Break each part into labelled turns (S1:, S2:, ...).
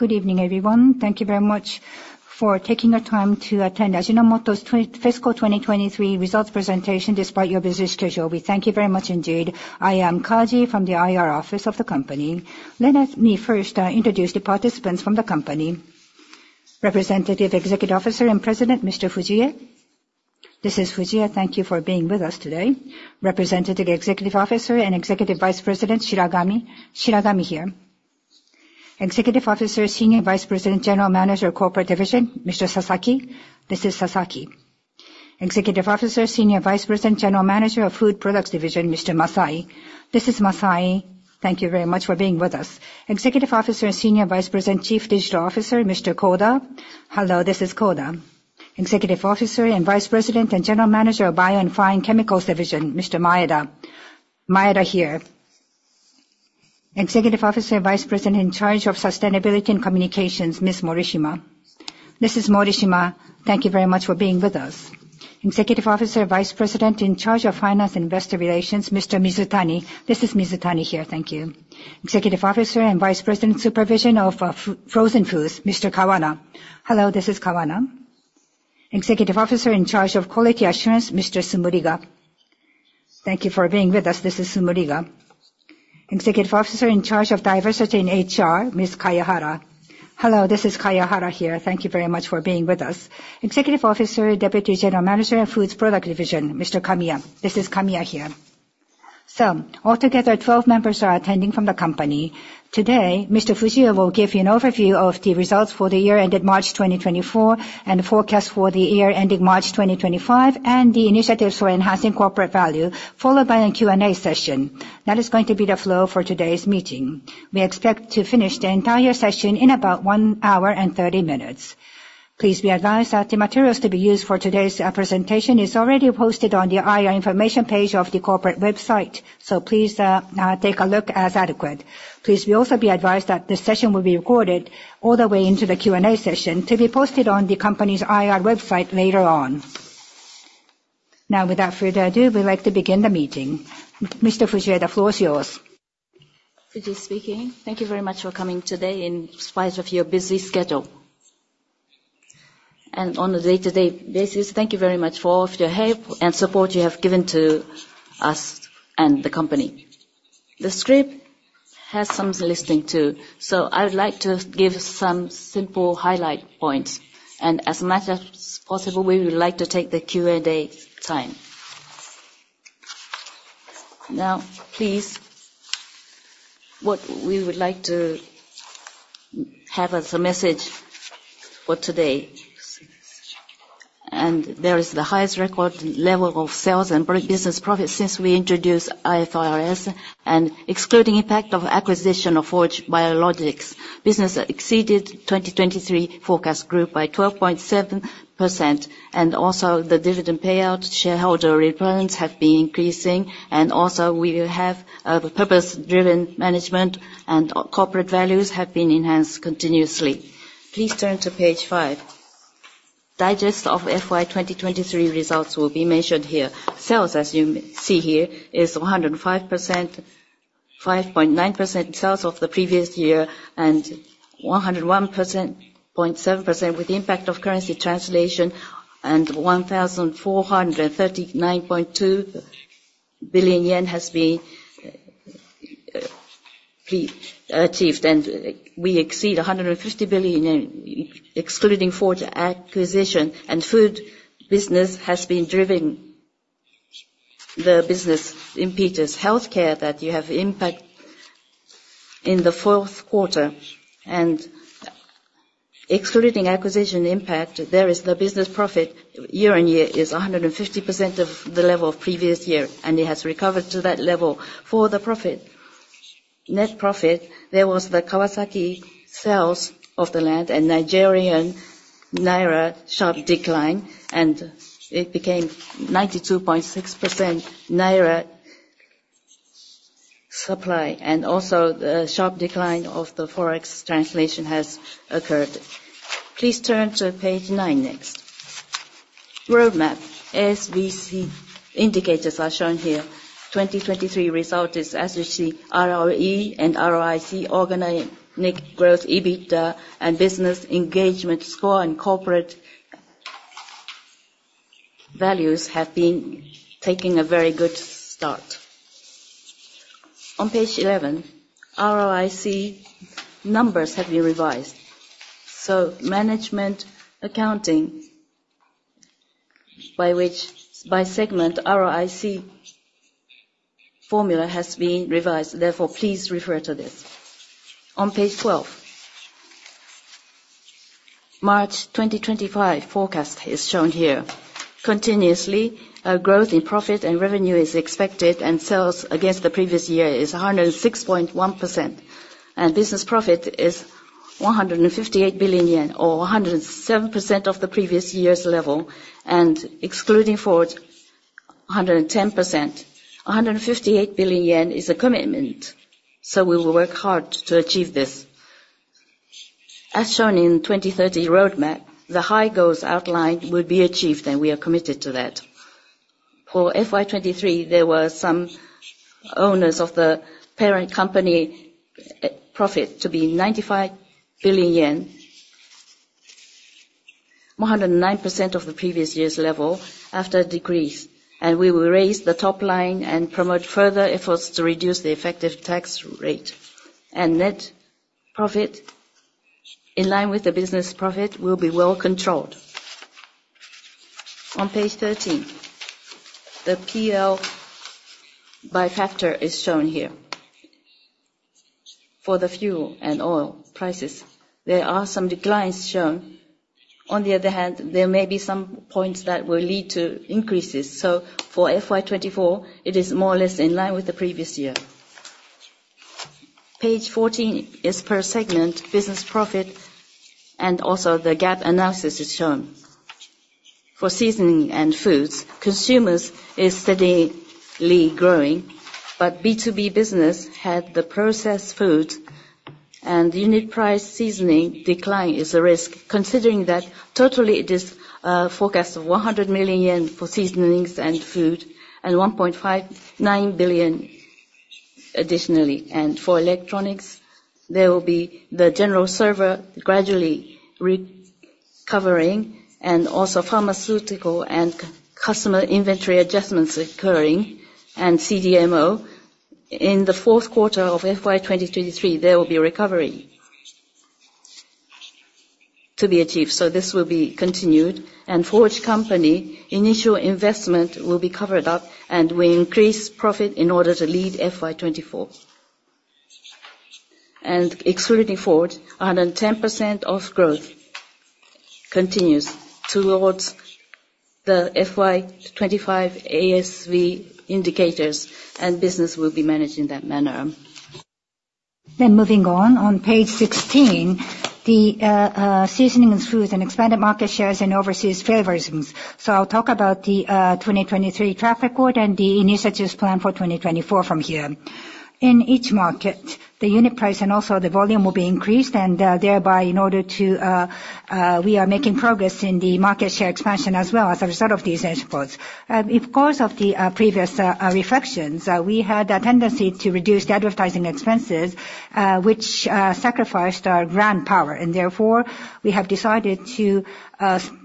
S1: Good evening, everyone. Thank you very much for taking your time to attend Ajinomoto's Fiscal 2023 results presentation despite your busy schedule. We thank you very much, indeed. I am Kaji from the IR office of the company. Let me first introduce the participants from the company. Representative Executive Officer and President Mr. Fujie, this is Fujie, thank you for being with us today, Representative Executive Officer and Executive Vice President Shiragami here. Executive Officer Senior Vice President General Manager of Corporate Division Mr. Sasaki, this is Sasaki. Executive Officer Senior Vice President General Manager of Food Products Division Mr. Masai, this is Masai, thank you very much for being with us. Executive Officer Senior Vice President Chief Digital Officer Mr. Koda, hello, this is Koda. Executive Officer and Vice President and General Manager of Bio and Fine Chemicals Division Mr. Maeda, Maeda here. Executive Officer and Vice President in Charge of Sustainability and Communications Ms. Morishima—this is Morishima, thank you very much for being with us. Executive Officer and Vice President in Charge of Finance and Investor Relations, Mr. Eiichi Mizutani—this is Mizutani here, thank you. Executive Officer and Vice President, Supervision of Frozen Foods, Mr. Hideaki Kawana—hello, this is Kawana. Executive Officer in Charge of Quality Assurance, Mr. Miro Smriga—thank you for being with us, this is Smriga. Executive Officer in Charge of Diversity and HR, Ms. Mami Kayahara—hello, this is Kayahara here, thank you very much for being with us. Executive Officer, Deputy General Manager of Food Products Division, Mr. Jiro Kamiya—this is Kamiya here. So, altogether 12 members are attending from the company. Today, Mr. Taro Fujie will give you an overview of the results for the year ended March 2024 and the forecast for the year ending March 2025 and the initiatives for enhancing corporate value, followed by a Q&A session. That is going to be the flow for today's meeting. We expect to finish the entire session in about 1 hour and 30 minutes. Please be advised that the materials to be used for today's presentation are already posted on the IR information page of the corporate website, so please take a look in advance. Please also be advised that this session will be recorded all the way into the Q&A session to be posted on the company's IR website later on. Now, without further ado, we'd like to begin the meeting. Mr. Fujie, the floor is yours.
S2: Fujie speaking. Thank you very much for coming today in spite of your busy schedule. On a day-to-day basis, thank you very much for all of the help and support you have given to us and the company. The script has some listening too, so I would like to give some simple highlight points. As much as possible, we would like to take the Q&A time. Now, please, what we would like to have as a message for today. There is the highest record level of sales and business profit since we introduced IFRS, and excluding the impact of acquisition of Forge Biologics, business exceeded 2023 forecast group by 12.7%. The dividend payout shareholder returns have been increasing. We will have purpose-driven management, and corporate values have been enhanced continuously. Please turn to page 5. Digest of FY 2023 results will be measured here. Sales, as you see here, is 105%—5.9% sales of the previous year and 101.7% with the impact of currency translation, and 1,439.2 billion yen has been achieved. We exceed 150 billion yen excluding Forge acquisition, and food business has been driving the business in Bio's healthcare that have impacted in the fourth quarter. Excluding acquisition impact, there is the business profit year-on-year is 150% of the level of previous year, and it has recovered to that level for the profit. Net profit, there was the Kawasaki sales of the land and Nigerian naira sharp decline, and it became 92.6% year-on-year. Also, the sharp decline of the forex translation has occurred. Please turn to page 9 next. Roadmap ASV indicators are shown here. 2023 results are, as you see, ROE and ROIC, organic growth EBITDA, and business engagement score and corporate values have been taking a very good start. On page 11, ROIC numbers have been revised. So management accounting by segment ROIC formula has been revised. Therefore, please refer to this. On page 12, March 2025 forecast is shown here. Continuously, growth in profit and revenue is expected, and sales against the previous year is 106.1%. And business profit is 158 billion yen, or 107% of the previous year's level. And excluding Forge, 110%. 158 billion yen is a commitment, so we will work hard to achieve this. As shown in 2030 roadmap, the high goals outlined would be achieved, and we are committed to that. For FY 2023, there were some owners of the parent company profit to be JPY 95 billion, 109% of the previous year's level after decrease. We will raise the top line and promote further efforts to reduce the effective tax rate. Net profit, in line with the business profit, will be well controlled. On page 13, the PL by factor is shown here. For the fuel and oil prices, there are some declines shown. On the other hand, there may be some points that will lead to increases. For FY 2024, it is more or less in line with the previous year. Page 14 is per segment business profit, and also the gap analysis is shown. For seasoning and foods, consumers are steadily growing, but B2B business had the processed foods and unit price seasoning decline is a risk, considering that totally it is a forecast of 100 million yen for seasonings and food and 1.59 billion additionally. For electronics, there will be the general server gradually recovering, and also pharmaceutical and customer inventory adjustments occurring, and CDMO. In the fourth quarter of FY 2023, there will be recovery to be achieved. This will be continued. Forge company initial investment will be covered up, and we increase profit in order to lead FY 2024. Excluding Forge, 110% of growth continues towards the FY 2025 ASV indicators, and business will be managed in that manner. Moving on. On page 16, the seasonings and foods and expanded market shares and overseas flavors. I'll talk about the 2023 traffic report and the initiatives planned for 2024 from here. In each market, the unit price and also the volume will be increased, and thereby we are making progress in the market share expansion as well as a result of these efforts. Because of the previous reflections, we had a tendency to reduce the advertising expenses, which sacrificed our brand power. Therefore, we have decided to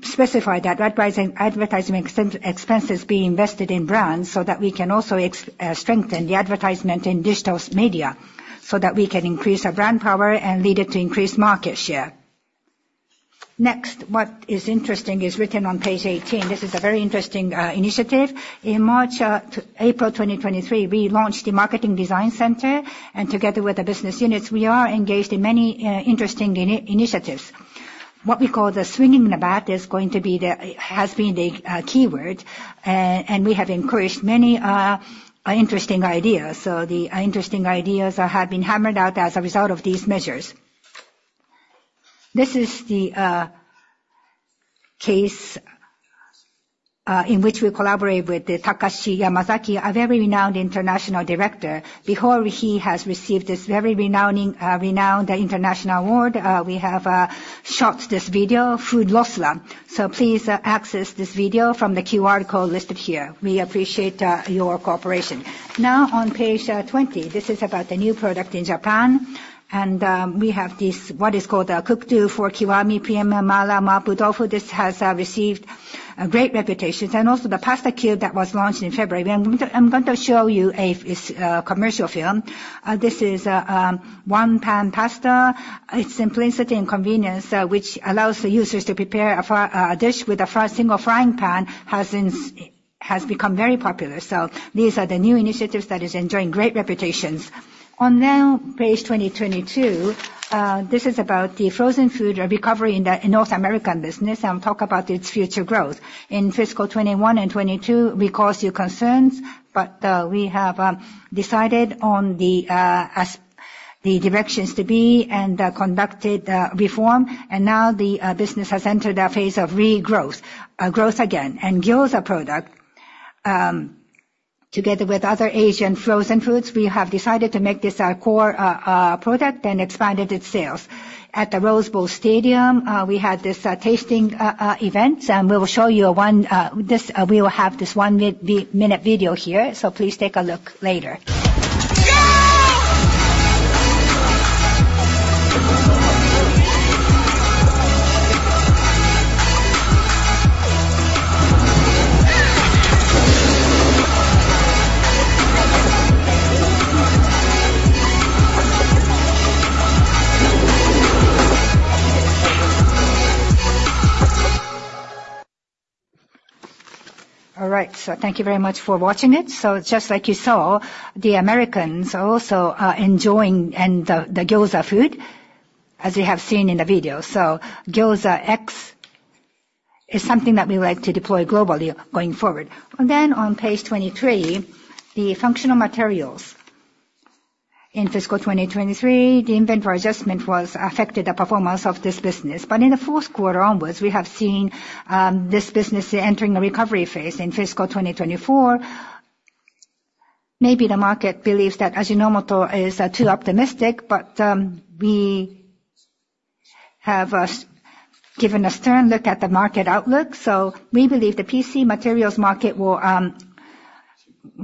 S2: specify that advertising expenses be invested in brands so that we can also strengthen the advertisement in digital media so that we can increase our brand power and lead it to increase market share. Next, what is interesting is written on page 18. This is a very interesting initiative. In April 2023, we launched the Marketing Design Center, and together with the business units, we are engaged in many interesting initiatives. What we call the Swinging the Bat is going to be the has been the keyword, and we have encouraged many interesting ideas. So the interesting ideas have been hammered out as a result of these measures. This is the case in which we collaborate with Takashi Yamazaki, a very renowned international director. Before he has received this very renowned international award, we have shot this video, Food Loss Lab. So please access this video from the QR code listed here. We appreciate your cooperation. Now on page 20, this is about the new product in Japan. We have this what is called a Cook Do for Kiwami Premium Mala Mapo Tofu. This has received a great reputation. And also the Pasta Cube that was launched in February. I'm going to show you a commercial film. This is one-pan pasta. Its simplicity and convenience, which allows the users to prepare a dish with a single frying pan, has become very popular. So these are the new initiatives that are enjoying great reputations. And now, page 20, 2022, this is about the frozen food recovery in North American business, and I'll talk about its future growth. In fiscal 2021 and 2022, we caused you concerns, but we have decided on the directions to be and conducted reform. Now the business has entered a phase of regrowth, growth again. And Gyoza product, together with other Asian frozen foods, we have decided to make this our core product and expanded its sales. At the Rose Bowl Stadium, we had this tasting event, and we will show you one we will have this one-minute video here. So please take a look later. All right. Thank you very much for watching it. Just like you saw, the Americans are also enjoying the gyoza food, as we have seen in the video. Gyoza X is something that we like to deploy globally going forward. Then on page 23, the functional materials. In fiscal 2023, the inventory adjustment affected the performance of this business. But in the fourth quarter onward, we have seen this business entering a recovery phase in fiscal 2024. Maybe the market believes that Ajinomoto is too optimistic, but we have given a stern look at the market outlook. We believe the PC materials market will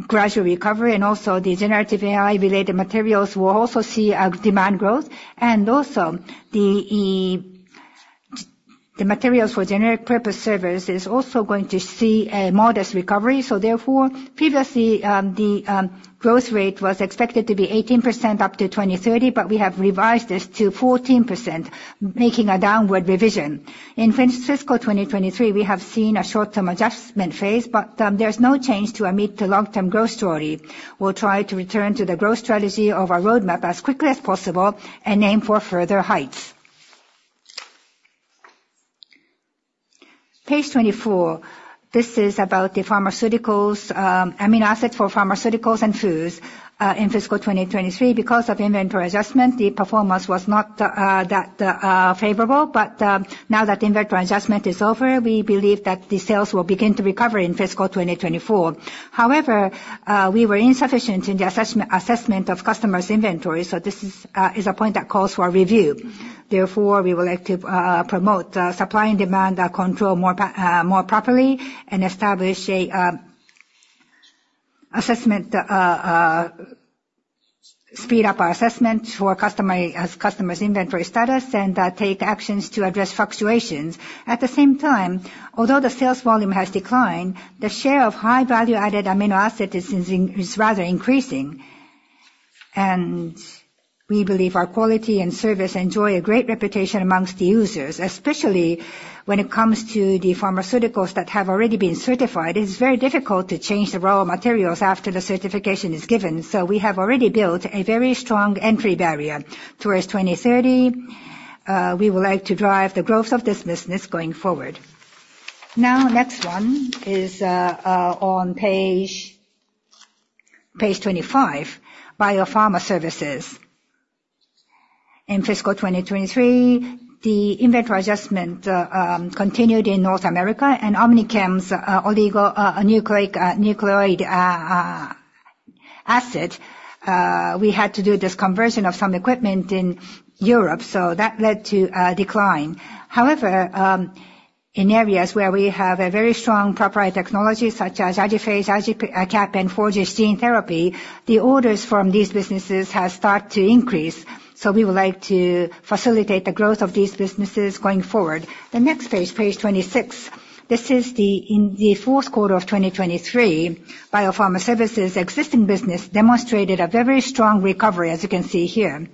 S2: gradually recover, and also the generative AI-related materials will also see demand growth. Also the materials for generic purpose servers is also going to see a modest recovery. So therefore, previously, the growth rate was expected to be 18% up to 2030, but we have revised this to 14%, making a downward revision. In fiscal 2023, we have seen a short-term adjustment phase, but there's no change to a mid- to long-term growth story. We'll try to return to the growth strategy of our roadmap as quickly as possible and aim for further heights. Page 24, this is about the pharmaceuticals amino acids for pharmaceuticals and foods. In fiscal 2023, because of inventory adjustment, the performance was not that favorable. But now that the inventory adjustment is over, we believe that the sales will begin to recover in fiscal 2024. However, we were insufficient in the assessment of customers' inventory. So this is a point that calls for a review. Therefore, we would like to promote supply and demand control more properly and establish an assessment speed up our assessment for customers' inventory status and take actions to address fluctuations. At the same time, although the sales volume has declined, the share of high-value-added amino acids is rather increasing. We believe our quality and service enjoy a great reputation among the users, especially when it comes to the pharmaceuticals that have already been certified. It's very difficult to change the raw materials after the certification is given. So we have already built a very strong entry barrier towards 2030. We would like to drive the growth of this business going forward. Now, next one is on page 25, Bio-Pharma Services. In fiscal 2023, the inventory adjustment continued in North America, and OmniChem's oligonucleotide, we had to do this conversion of some equipment in Europe, so that led to decline. However, in areas where we have a very strong proprietary technology such as AJIPHASE, AJICAP, and Forge gene therapy, the orders from these businesses have started to increase. So we would like to facilitate the growth of these businesses going forward. The next page, page 26, this is in the fourth quarter of 2023, Bio-Pharma Services existing business demonstrated a very strong recovery, as you can see here.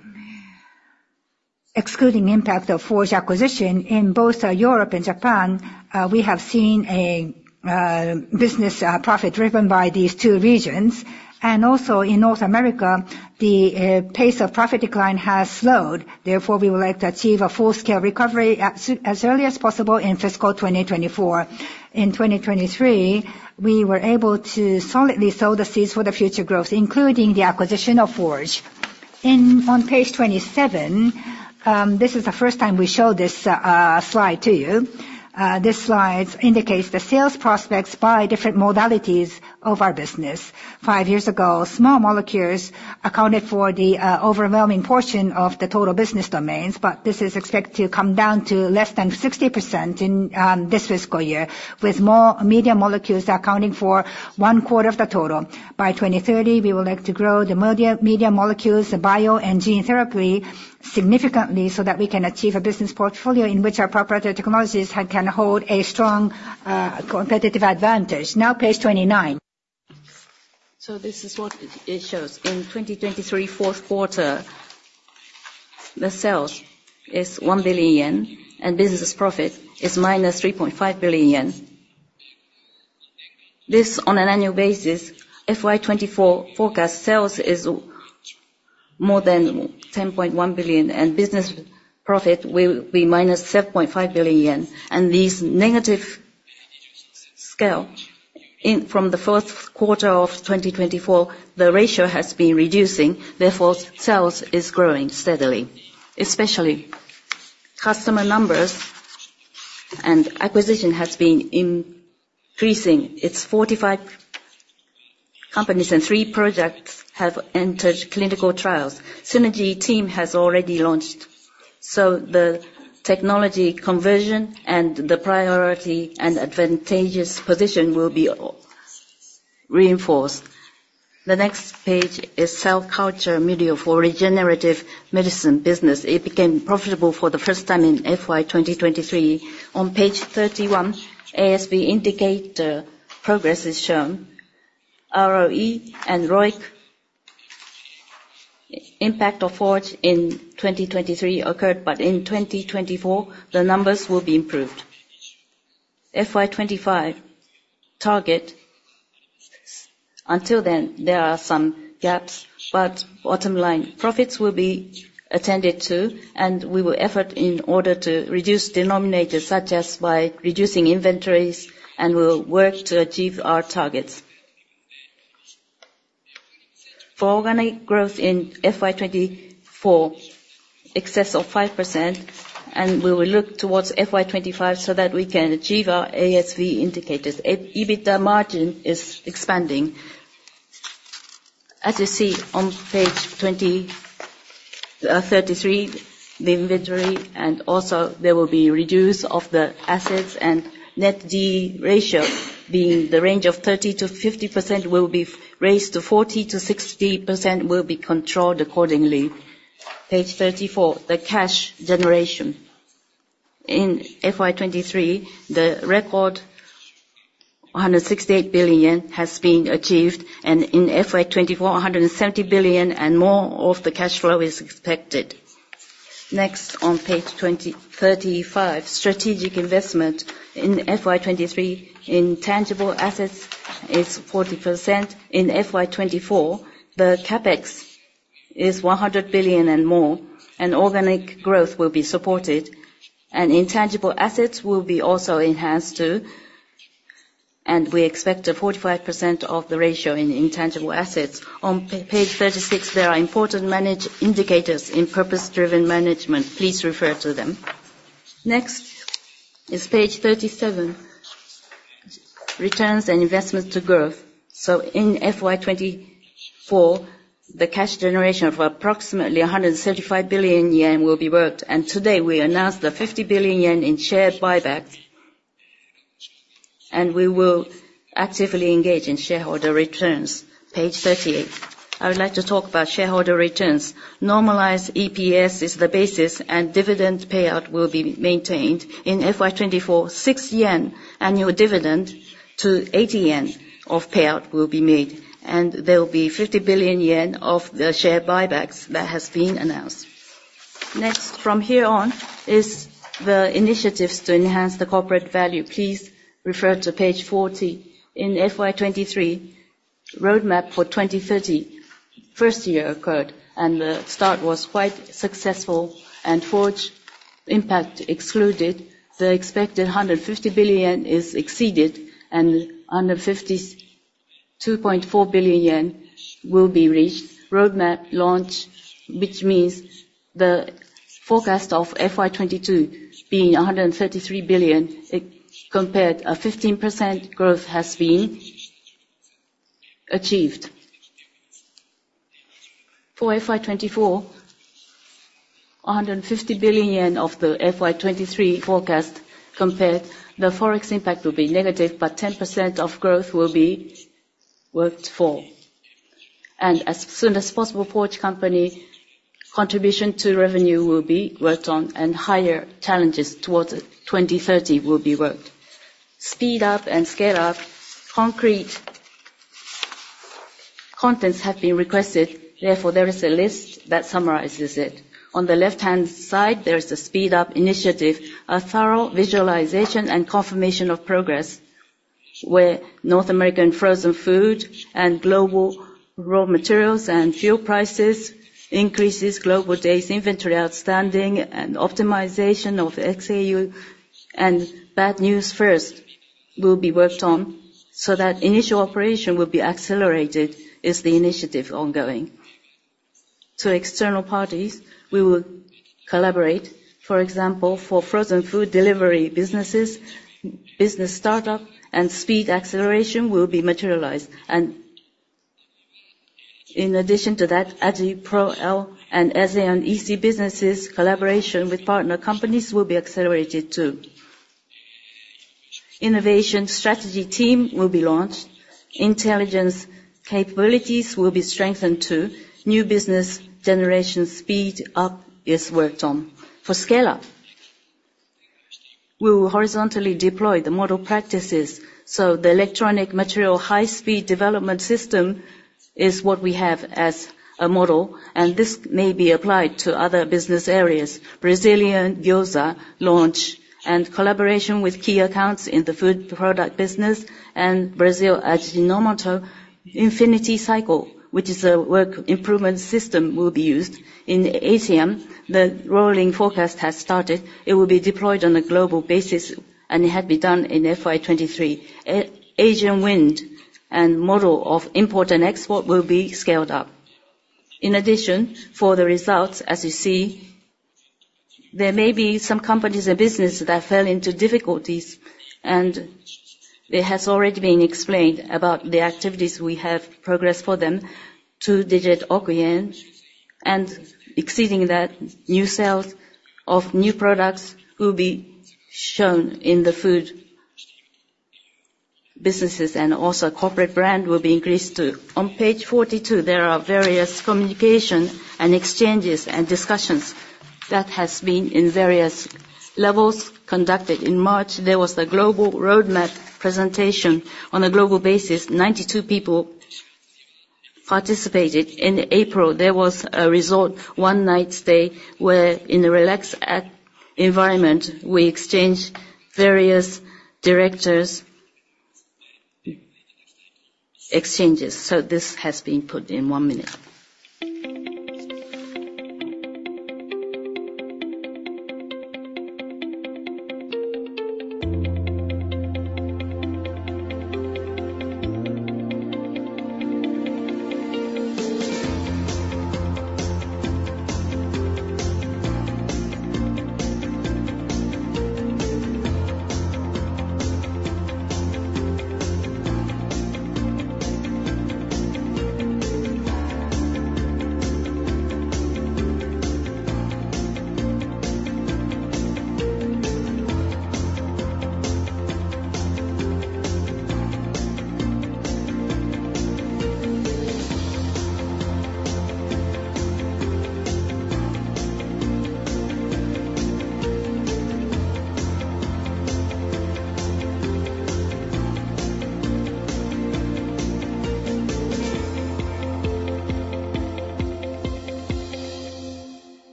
S2: Excluding impact of Forge acquisition in both Europe and Japan, we have seen a business profit driven by these two regions. Also in North America, the pace of profit decline has slowed. Therefore, we would like to achieve a full-scale recovery as early as possible in fiscal 2024. In 2023, we were able to solidly sow the seeds for the future growth, including the acquisition of Forge. On page 27, this is the first time we show this slide to you. This slide indicates the sales prospects by different modalities of our business. Five years ago, small molecules accounted for the overwhelming portion of the total business domains, but this is expected to come down to less than 60% in this fiscal year, with more medium molecules accounting for one-quarter of the total. By 2030, we would like to grow the medium molecules, the bio, and gene therapy significantly so that we can achieve a business portfolio in which our proprietary technologies can hold a strong competitive advantage. Now, page 29. So this is what it shows. In 2023 fourth quarter, the sales is 1 billion yen, and business profit is -3.5 billion yen. This on an annual basis, FY 2024 forecast sales is more than 10.1 billion, and business profit will be -7.5 billion yen. And this negative scale from the fourth quarter of 2024, the ratio has been reducing. Therefore, sales is growing steadily, especially customer numbers and acquisition has been increasing. It's 45 companies and 3 projects have entered clinical trials. Synergy team has already launched. So the technology conversion and the priority and advantageous position will be reinforced. The next page is cell culture material for regenerative medicine business. It became profitable for the first time in FY 2023. On page 31, ASV indicator progress is shown. ROE and ROIC impact of Forge in 2023 occurred, but in 2024, the numbers will be improved. FY 2025 target, until then, there are some gaps, but bottom line, profits will be attended to, and we will effort in order to reduce denominators such as by reducing inventories, and we'll work to achieve our targets. For organic growth in FY 2024, excess of 5%, and we will look towards FY 2025 so that we can achieve our ASV indicators. EBITDA margin is expanding. As you see on page 33, the inventory, and also there will be reduce of the assets and net D ratio being the range of 30%-50% will be raised to 40%-60% will be controlled accordingly. Page 34, the cash generation. In FY 2023, the record 168 billion has been achieved, and in FY 2024, 170 billion and more of the cash flow is expected. Next, on page 35, strategic investment in FY 2023, intangible assets is 40%. In FY 2024, the CapEx is 100 billion and more, and organic growth will be supported. Intangible assets will be also enhanced too, and we expect a 45% of the ratio in intangible assets. On page 36, there are important managed indicators in purpose-driven management. Please refer to them. Next is page 37, returns and investment to growth. In FY 2024, the cash generation of approximately 175 billion yen will be worked. Today, we announced the 50 billion yen in share buyback, and we will actively engage in shareholder returns. Page 38, I would like to talk about shareholder returns. Normalized EPS is the basis, and dividend payout will be maintained. In FY 2024, 6 yen annual dividend to 80% of payout will be made. There will be 50 billion yen of the share buybacks that has been announced. Next, from here on is the initiatives to enhance the corporate value. Please refer to page 40. In FY 2023, roadmap for 2030 first year occurred, and the start was quite successful. Forge impact excluded. The expected 150 billion is exceeded, and 152.4 billion yen will be reached. Roadmap launch, which means the forecast of FY 2022 being 133 billion compared a 15% growth has been achieved. For FY 2024, 150 billion yen of the FY 2023 forecast compared, the forex impact will be negative, but 10% of growth will be worked for. As soon as possible, forge company contribution to revenue will be worked on, and higher challenges towards 2030 will be worked. Speed up and scale up concrete contents have been requested. Therefore, there is a list that summarizes it. On the left-hand side, there is the speed up initiative, a thorough visualization and confirmation of progress where North American frozen food and global raw materials and fuel prices increases, global days inventory outstanding, and optimization of CapEx and bad debts first will be worked on so that initial operation will be accelerated. Is the initiative ongoing. To external parties, we will collaborate. For example, for frozen food delivery businesses, business startup and speed acceleration will be materialized. In addition to that, AjiPro-L and Ezeon-EC businesses collaboration with partner companies will be accelerated too. Innovation strategy team will be launched. Intelligence capabilities will be strengthened too. New business generation speed up is worked on. For scale up, we will horizontally deploy the model practices. So the electronic material high-speed development system is what we have as a model, and this may be applied to other business areas. Brazilian gyoza launch and collaboration with key accounts in the food product business and Brazil Ajinomoto Infinity Cycle, which is a work improvement system, will be used. In ATM, the rolling forecast has started. It will be deployed on a global basis, and it had been done in FY 2023. Asian wind and model of import and export will be scaled up. In addition, for the results, as you see, there may be some companies and businesses that fell into difficulties, and it has already been explained about the activities we have progressed for them. Two-digit oku yen and exceeding that, new sales of new products will be shown in the food businesses, and also corporate brand will be increased too. On page 42, there are various communication and exchanges and discussions that have been in various levels conducted. In March, there was the global roadmap presentation on a global basis. 92 people participated. In April, there was a resort one-night stay where in a relaxed environment, we exchanged various directors exchanges. So this has been put in one minute.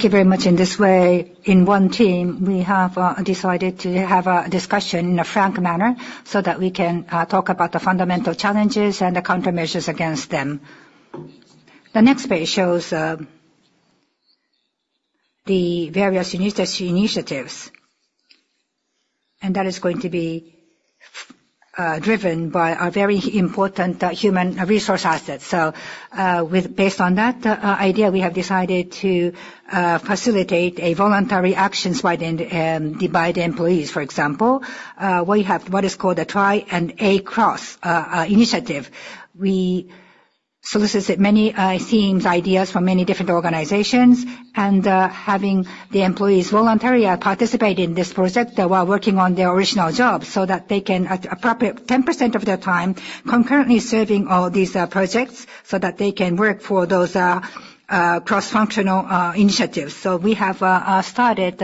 S2: Thank you very much. In this way, in one team, we have decided to have a discussion in a frank manner so that we can talk about the fundamental challenges and the countermeasures against them. The next page shows the various initiatives, and that is going to be driven by our very important human resource assets. Based on that idea, we have decided to facilitate voluntary actions by the employees, for example. What is called a Try and A Cross initiative? We solicited many themes, ideas from many different organizations, and having the employees voluntarily participate in this project while working on their original jobs so that they can appropriate 10% of their time concurrently serving all these projects so that they can work for those cross-functional initiatives. We have started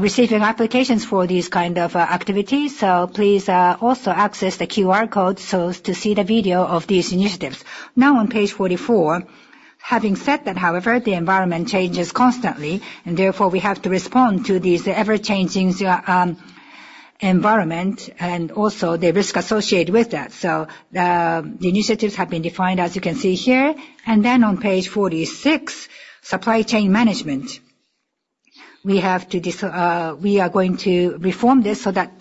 S2: receiving applications for these kind of activities. So please also access the QR codes to see the video of these initiatives. Now, on page 44, having said that, however, the environment changes constantly, and therefore, we have to respond to these ever-changing environments and also the risk associated with that. So the initiatives have been defined, as you can see here. And then on page 46, supply chain management. We are going to reform this so that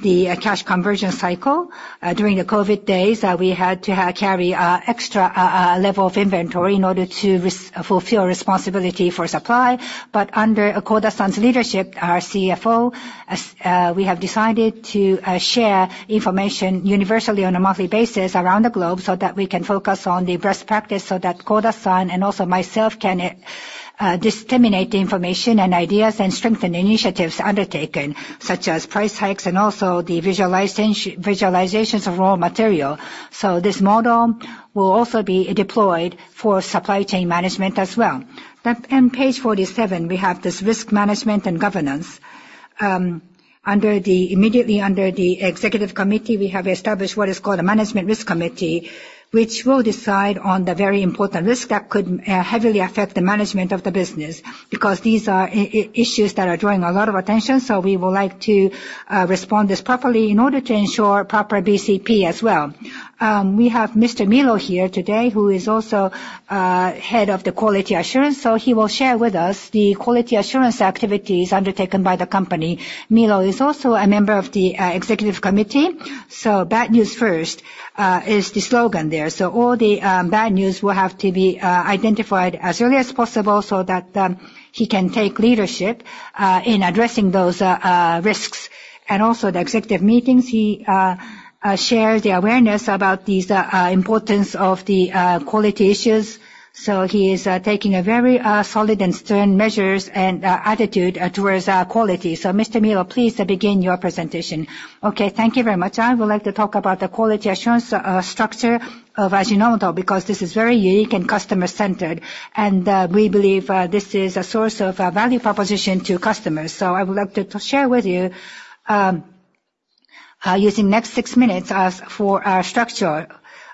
S2: the cash conversion cycle during the COVID days, we had to carry an extra level of inventory in order to fulfill responsibility for supply. But under Koda-san's leadership, our CFO, we have decided to share information universally on a monthly basis around the globe so that we can focus on the best practice so that Koda-san and also myself can disseminate the information and ideas and strengthen initiatives undertaken, such as price hikes and also the visualizations of raw material. So this model will also be deployed for supply chain management as well. On page 47, we have this risk management and governance. Immediately under the executive committee, we have established what is called a management risk committee, which will decide on the very important risk that could heavily affect the management of the business because these are issues that are drawing a lot of attention. So we would like to respond to this properly in order to ensure proper BCP as well. We have Mr. Miro here today, who is also head of the quality assurance. So he will share with us the quality assurance activities undertaken by the company. Miro is also a member of the executive committee. So bad news first is the slogan there. So all the bad news will have to be identified as early as possible so that he can take leadership in addressing those risks. And also the executive meetings, he shares the awareness about the importance of the quality issues. So he is taking very solid and stern measures and attitude towards quality. So Mr. Sumio, please begin your presentation.
S3: Okay. Thank you very much. I would like to talk about the quality assurance structure of Ajinomoto because this is very unique and customer-centered. And we believe this is a source of value proposition to customers. So I would like to share with you using next six minutes for our structure.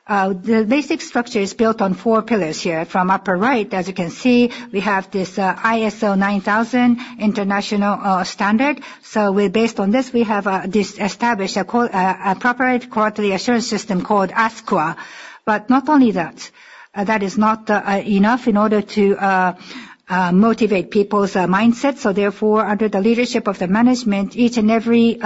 S3: The basic structure is built on four pillars here. From upper right, as you can see, we have this ISO 9000 international standard. So based on this, we have established a proper quality assurance system called ASCUA. But not only that, that is not enough in order to motivate people's mindsets. So therefore, under the leadership of the management, each and every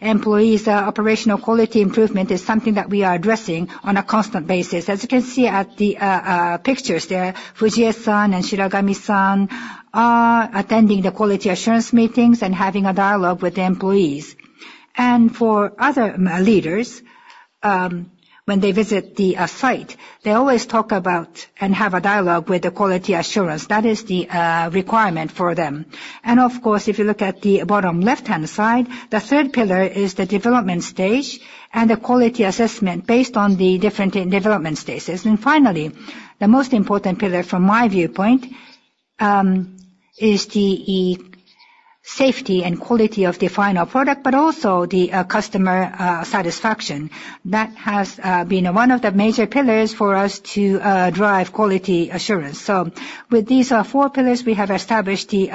S3: employee's operational quality improvement is something that we are addressing on a constant basis. As you can see in the pictures there, Fujie-san and Shiragami-san are attending the quality assurance meetings and having a dialogue with the employees. For other leaders, when they visit the site, they always talk about and have a dialogue with the quality assurance. That is the requirement for them. And of course, if you look at the bottom left-hand side, the third pillar is the development stage and the quality assessment based on the different development stages. And finally, the most important pillar from my viewpoint is the safety and quality of the final product, but also the customer satisfaction. That has been one of the major pillars for us to drive quality assurance. So with these four pillars, we have established the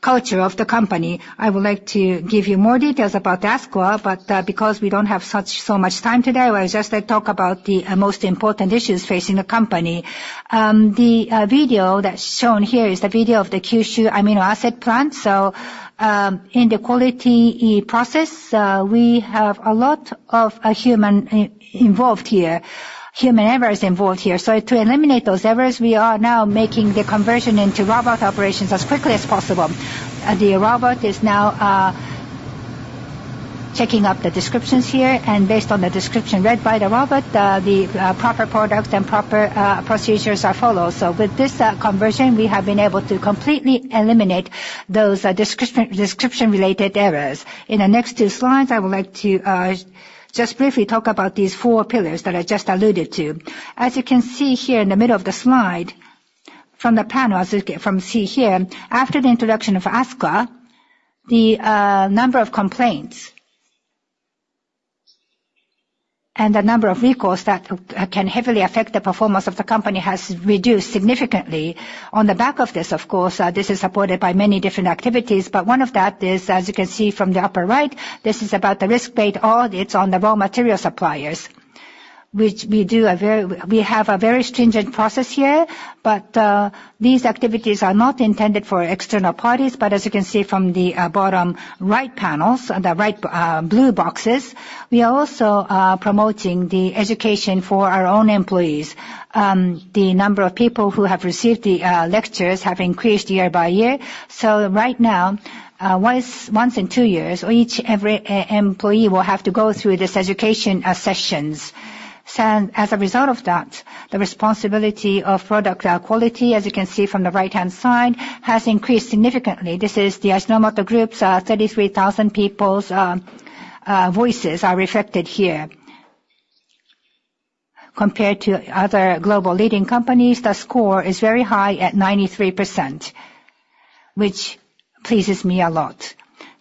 S3: culture of the company. I would like to give you more details about ASCUA, but because we don't have so much time today, I would just talk about the most important issues facing the company. The video that's shown here is the video of the Kyushu Amino Acid plant. So in the quality process, we have a lot of human involved here. Human errors involved here. So to eliminate those errors, we are now making the conversion into robot operations as quickly as possible. The robot is now checking up the descriptions here. And based on the description read by the robot, the proper products and proper procedures are followed. So with this conversion, we have been able to completely eliminate those description-related errors. In the next two slides, I would like to just briefly talk about these four pillars that I just alluded to. As you can see here in the middle of the slide from the panel, as you can see here, after the introduction of ASCUA, the number of complaints and the number of recalls that can heavily affect the performance of the company has reduced significantly. On the back of this, of course, this is supported by many different activities. But one of that is, as you can see from the upper right, this is about the risk-based audits on the raw material suppliers, which we have a very stringent process here. But these activities are not intended for external parties. But as you can see from the bottom right panels, the right blue boxes, we are also promoting the education for our own employees. The number of people who have received the lectures have increased year by year. So right now, once in 2 years, each employee will have to go through these education sessions. As a result of that, the responsibility of product quality, as you can see from the right-hand side, has increased significantly. This is the Ajinomoto Group's 33,000 people's voices are reflected here. Compared to other global leading companies, the score is very high at 93%, which pleases me a lot.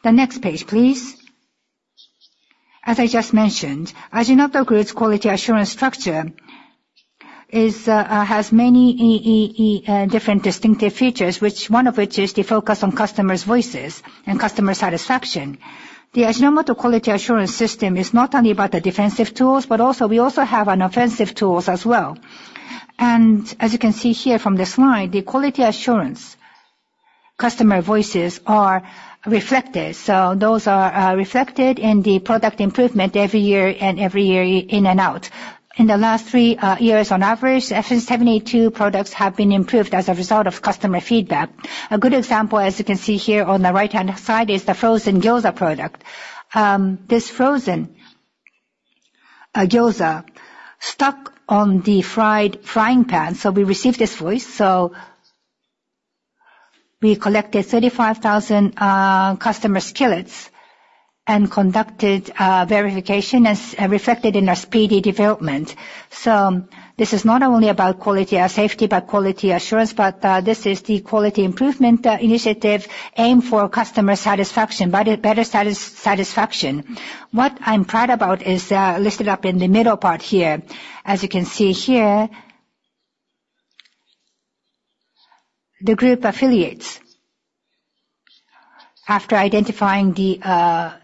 S3: The next page, please. As I just mentioned, Ajinomoto Group's quality assurance structure has many different distinctive features, one of which is the focus on customers' voices and customer satisfaction. The Ajinomoto quality assurance system is not only about the defensive tools, but also we also have an offensive tools as well. And as you can see here from the slide, the quality assurance customer voices are reflected. So those are reflected in the product improvement every year and every year in and out. In the last three years, on average, FN782 products have been improved as a result of customer feedback. A good example, as you can see here on the right-hand side, is the frozen Gyoza product. This frozen Gyoza stuck on the frying pan. So we received this voice. So we collected 35,000 customer skillets and conducted verification and reflected in our speedy development. So this is not only about quality safety but quality assurance, but this is the quality improvement initiative aimed for customer satisfaction, better satisfaction. What I'm proud about is listed up in the middle part here. As you can see here, the group affiliates, after identifying the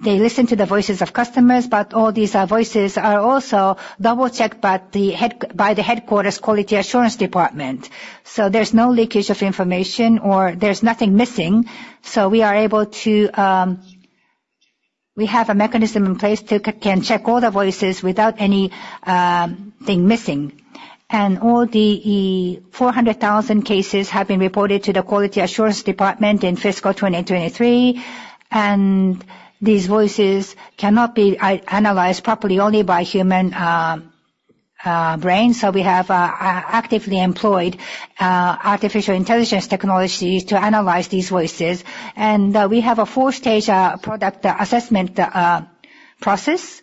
S3: they listen to the voices of customers, but all these voices are also double-checked by the headquarters quality assurance department. So there's no leakage of information or there's nothing missing. So we are able to we have a mechanism in place to can check all the voices without anything missing. And all the 400,000 cases have been reported to the quality assurance department in fiscal 2023. And these voices cannot be analyzed properly only by human brain. So we have actively employed artificial intelligence technologies to analyze these voices. And we have a four-stage product assessment process,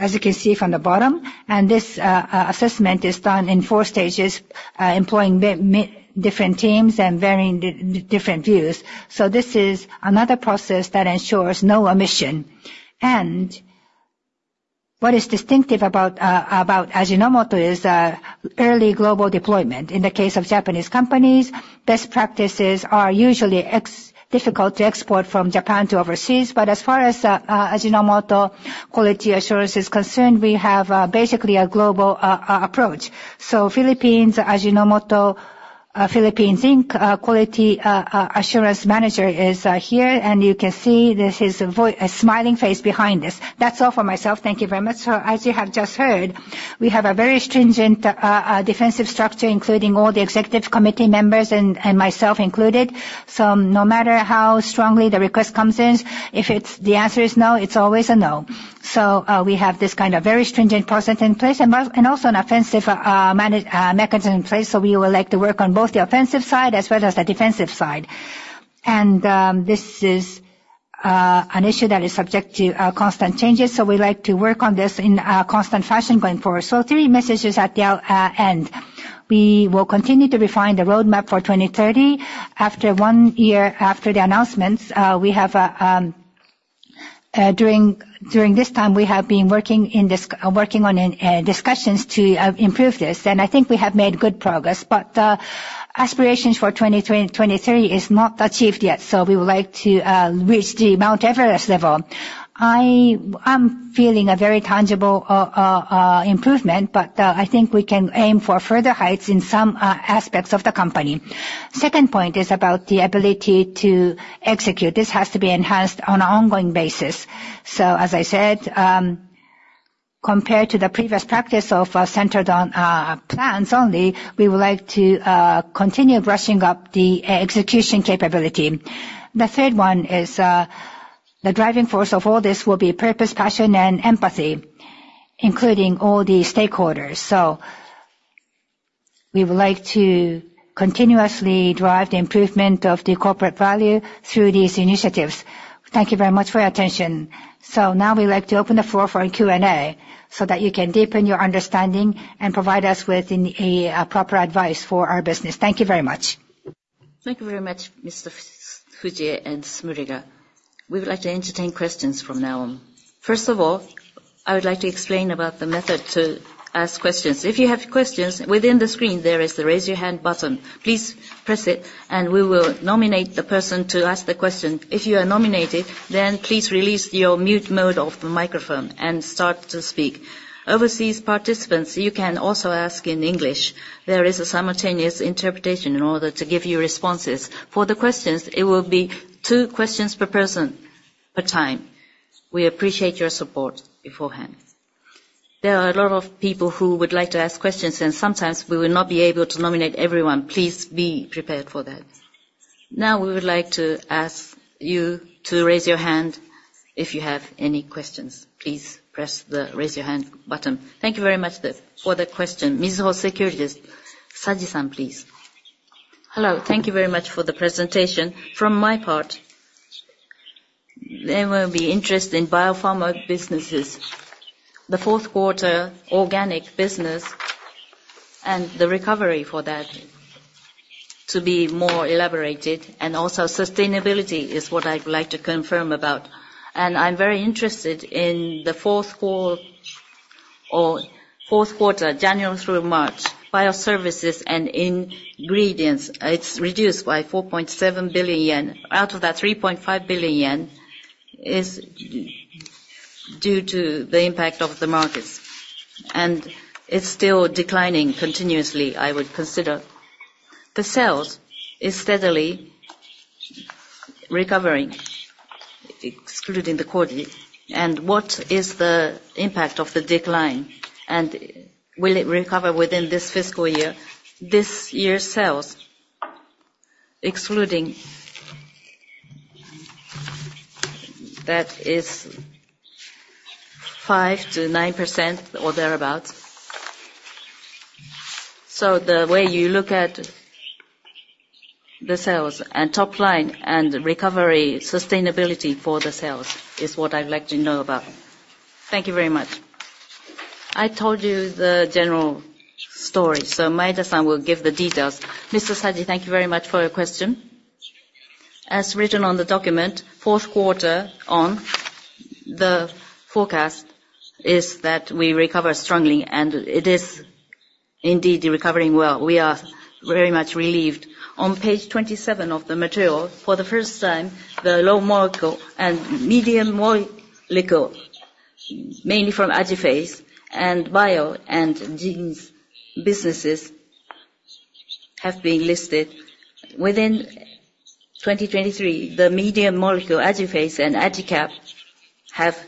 S3: as you can see from the bottom. And this assessment is done in four stages, employing different teams and varying different views. So this is another process that ensures no omission. And what is distinctive about Ajinomoto is early global deployment. In the case of Japanese companies, best practices are usually difficult to export from Japan to overseas. But as far as Ajinomoto quality assurance is concerned, we have basically a global approach. So, Philippines, Ajinomoto Philippines Inc. quality assurance manager is here. And you can see there's his smiling face behind this. That's all for myself. Thank you very much. So as you have just heard, we have a very stringent defensive structure, including all the executive committee members and myself included. So no matter how strongly the request comes in, if the answer is no, it's always a no. So we have this kind of very stringent process in place and also an offensive mechanism in place. So we would like to work on both the offensive side as well as the defensive side. And this is an issue that is subject to constant changes. So we like to work on this in a constant fashion going forward. So three messages at the end. We will continue to refine the roadmap for 2030. After one year after the announcements, during this time, we have been working on discussions to improve this. I think we have made good progress. But aspirations for 2023 is not achieved yet. We would like to reach the Mount Everest level. I'm feeling a very tangible improvement, but I think we can aim for further heights in some aspects of the company. Second point is about the ability to execute. This has to be enhanced on an ongoing basis. As I said, compared to the previous practice of centered on plans only, we would like to continue brushing up the execution capability. The third one is the driving force of all this will be purpose, passion, and empathy, including all the stakeholders. We would like to continuously drive the improvement of the corporate value through these initiatives. Thank you very much for your attention. Now we'd like to open the floor for a Q&A so that you can deepen your understanding and provide us with proper advice for our business. Thank you very much.
S1: Thank you very much, Mr. Fujie and Sumio Maeda. We would like to entertain questions from now on. First of all, I would like to explain about the method to ask questions. If you have questions within the screen, there is the raise your hand button. Please press it, and we will nominate the person to ask the question. If you are nominated, then please release your mute mode of the microphone and start to speak. Overseas participants, you can also ask in English. There is a simultaneous interpretation in order to give you responses. For the questions, it will be two questions per person per time. We appreciate your support beforehand. There are a lot of people who would like to ask questions, and sometimes we will not be able to nominate everyone. Please be prepared for that.
S4: Now we would like to ask you to raise your hand if you have any questions. Please press the raise your hand button. Thank you very much for the question. Mizuho Securities, Saji-san, please.
S5: Hello. Thank you very much for the presentation. From my part, there will be interest in biopharma businesses, the fourth quarter organic business, and the recovery for that to be more elaborated. And also sustainability is what I would like to confirm about. And I'm very interested in the fourth quarter, January through March, bioservices and ingredients. It's reduced by 4.7 billion yen. Out of that, 3.5 billion yen is due to the impact of the markets. And it's still declining continuously, I would consider. The sales is steadily recovering, excluding the quarter. And what is the impact of the decline? And will it recover within this fiscal year?
S2: This year's sales, excluding that, is 5%-9% or thereabouts. So the way you look at the sales and top line and recovery sustainability for the sales is what I'd like to know about. Thank you very much. I told you the general story. So Maeda-san will give the details. Mr. Saji, thank you very much for your question.
S3: As written on the document, fourth quarter on, the forecast is that we recover strongly, and it is indeed recovering well. We are very much relieved. On page 27 of the material, for the first time, the small molecule and medium molecule, mainly from AJIPHASE and Bio and Genes businesses, have been listed. Within 2023, the medium molecule AJIPHASE and AJICAP have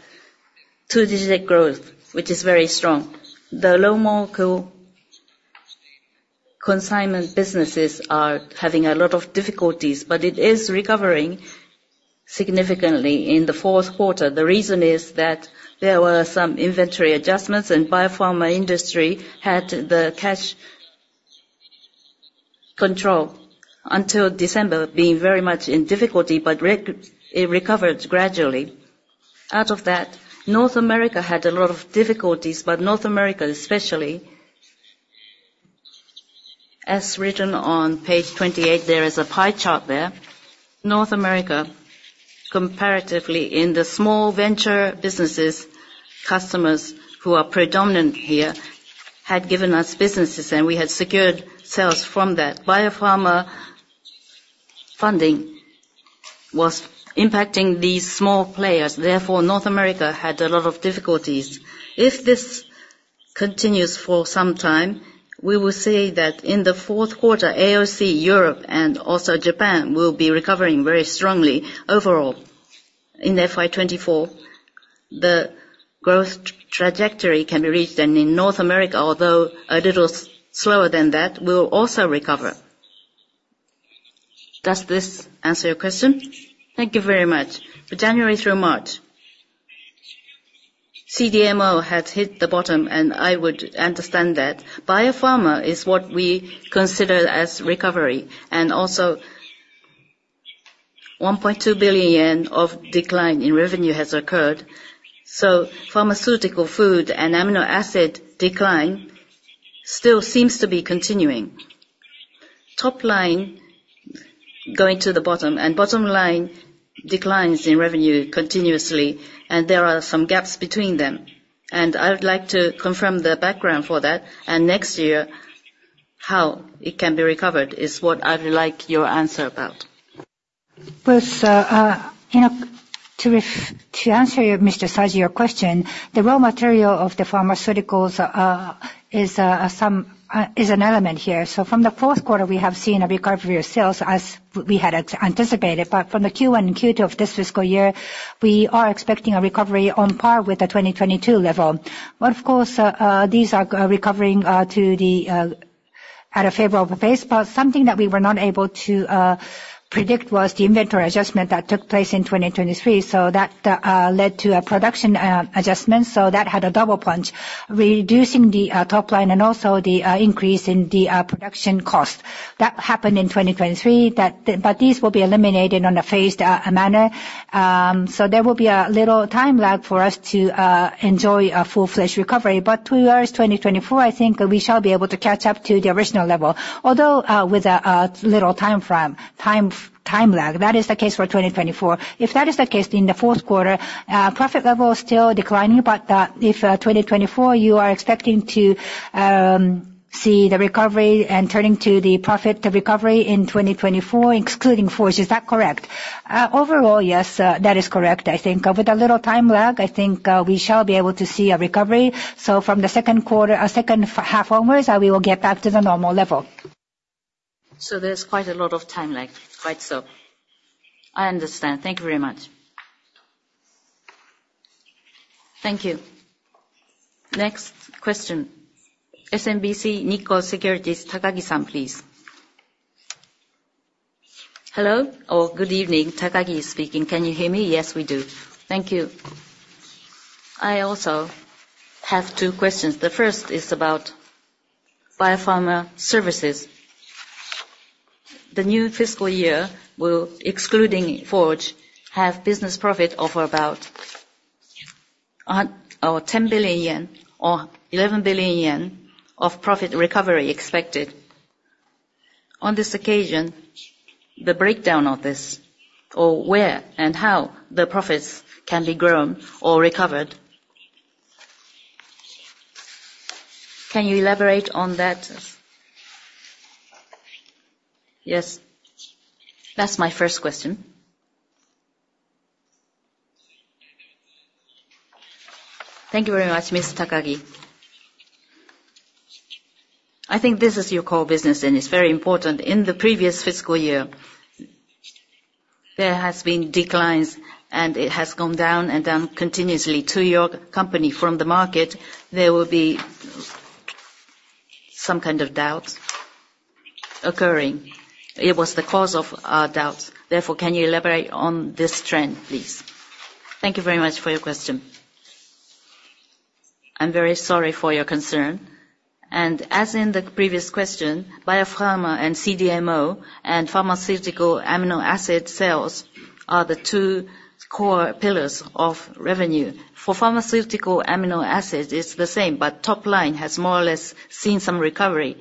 S3: two-digit growth, which is very strong. The small molecule consignment businesses are having a lot of difficulties, but it is recovering significantly in the fourth quarter. The reason is that there were some inventory adjustments, and Bio-Pharma industry had the cash control until December, being very much in difficulty, but it recovered gradually. Out of that, North America had a lot of difficulties, but North America especially, as written on page 28, there is a pie chart there. North America, comparatively, in the small venture businesses, customers who are predominant here had given us businesses, and we had secured sales from that. Bio-Pharma funding was impacting these small players. Therefore, North America had a lot of difficulties. If this continues for some time, we will see that in the fourth quarter, AOC Europe and also Japan will be recovering very strongly overall in FY24. The growth trajectory can be reached in North America, although a little slower than that, will also recover. Does this answer your question?
S5: Thank you very much. January through March, CDMO had hit the bottom, and I would understand that. Biopharma is what we consider as recovery. Also, 1.2 billion yen of decline in revenue has occurred. Pharmaceutical, food, and amino acid decline still seems to be continuing. Top line going to the bottom, and bottom line declines in revenue continuously. There are some gaps between them. I would like to confirm the background for that. Next year, how it can be recovered is what I would like your answer about.
S3: Well, to answer you, Mr. Saji, your question, the raw material of the pharmaceuticals is an element here. From the fourth quarter, we have seen a recovery of sales as we had anticipated. But from the Q1 and Q2 of this fiscal year, we are expecting a recovery on par with the 2022 level. But of course, these are recovering at a favorable pace. But something that we were not able to predict was the inventory adjustment that took place in 2023. So that led to a production adjustment. So that had a double punch, reducing the top line and also the increase in the production cost. That happened in 2023, but these will be eliminated on a phased manner. So there will be a little time lag for us to enjoy a full-fledged recovery. But towards 2024, I think we shall be able to catch up to the original level, although with a little time lag. That is the case for 2024. If that is the case in the fourth quarter, profit level is still declining. But if 2024, you are expecting to see the recovery and turning to the profit recovery in 2024, excluding Forge. Is that correct? Overall, yes, that is correct, I think. With a little time lag, I think we shall be able to see a recovery. So from the second quarter, second half onwards, we will get back to the normal level. So there's quite a lot of time lag. Quite so.
S5: I understand. Thank you very much.
S4: Thank you. Next question. SMBC Nikko Securities, Takagi-san, please.
S6: Hello or good evening. Takagi is speaking. Can you hear me?
S2: Yes, we do.
S6: Thank you. I also have two questions. The first is about Bio-Pharma Services. The new fiscal year will, excluding Forge, have business profit of about 10 billion yen or 11 billion yen of profit recovery expected. On this occasion, the breakdown of this or where and how the profits can be grown or recovered. Can you elaborate on that? Yes. That's my first question.
S2: Thank you very much, Ms. Takagi. I think this is your core business, and it's very important. In the previous fiscal year, there have been declines, and it has gone down and down continuously to your company from the market. There will be some kind of doubts occurring. It was the cause of doubts. Therefore, can you elaborate on this trend, please? Thank you very much for your question. I'm very sorry for your concern. And as in the previous question, biopharma and CDMO and pharmaceutical amino acid sales are the two core pillars of revenue. For pharmaceutical amino acid, it's the same, but top line has more or less seen some recovery,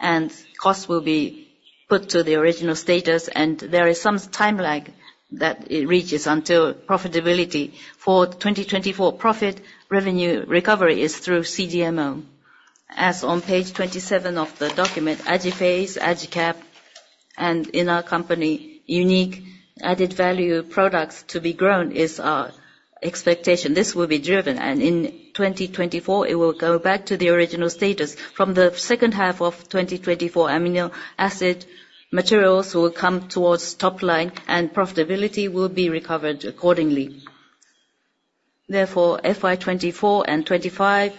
S2: and cost will be put to the original status. And there is some time lag that it reaches until profitability. For 2024, profit revenue recovery is through CDMO. As on page 27 of the document, AJIPHASE, AJICAP, and in our company, unique added value products to be grown is our expectation. This will be driven. And in 2024, it will go back to the original status.
S7: From the second half of 2024, amino acid materials will come towards top line, and profitability will be recovered accordingly. Therefore, FY2024 and 2025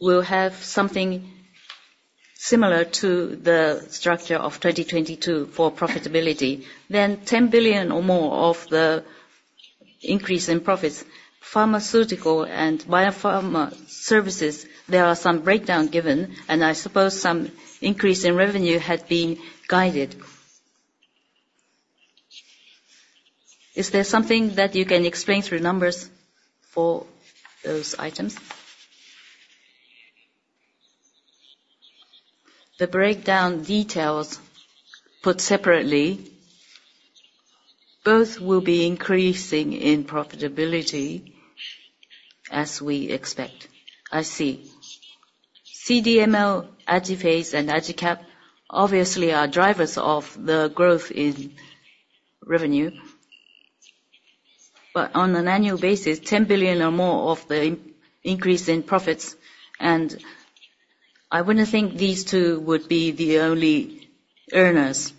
S7: will have something similar to the structure of 2022 for profitability. Then 10 billion or more of the increase in profits. Pharmaceutical and Bio-Pharma Services, there are some breakdown given, and I suppose some increase in revenue had been guided.
S6: Is there something that you can explain through numbers for those items?
S7: The breakdown details put separately, both will be increasing in profitability as we expect. I see. CDMO, AJIPHASE, and AJICAP obviously are drivers of the growth in revenue. But on an annual basis, 10 billion or more of the increase in profits. And I wouldn't think these two would be the only earners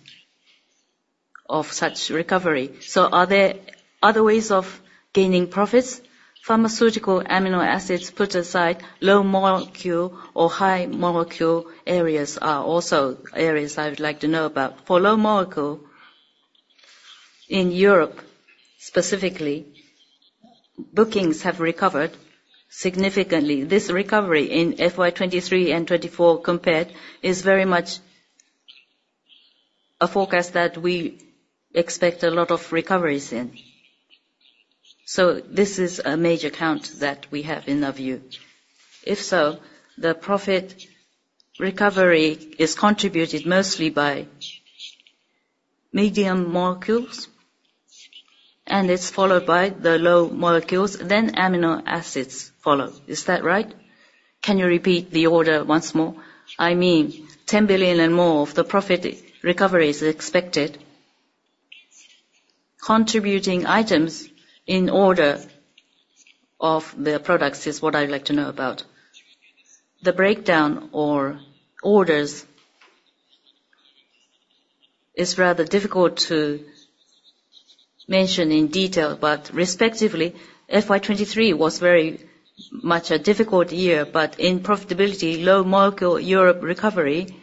S7: of such recovery.
S6: So are there other ways of gaining profits? Pharmaceutical amino acids put aside, small molecule or large molecule areas are also areas I would like to know about. For small molecule, in Europe specifically, bookings have recovered significantly. This recovery in FY2023 and 2024 compared is very much a forecast that we expect a lot of recoveries in. So this is a major count that we have in our view. If so, the profit recovery is contributed mostly by medium molecules, and it's followed by the small molecules. Then amino acids follow. Is that right? Can you repeat the order once more?
S2: I mean, 10 billion and more of the profit recovery is expected. Contributing items in order of the products is what I'd like to know about. The breakdown or orders is rather difficult to mention in detail, but respectively, FY2023 was very much a difficult year. But in profitability, small molecule Europe recovery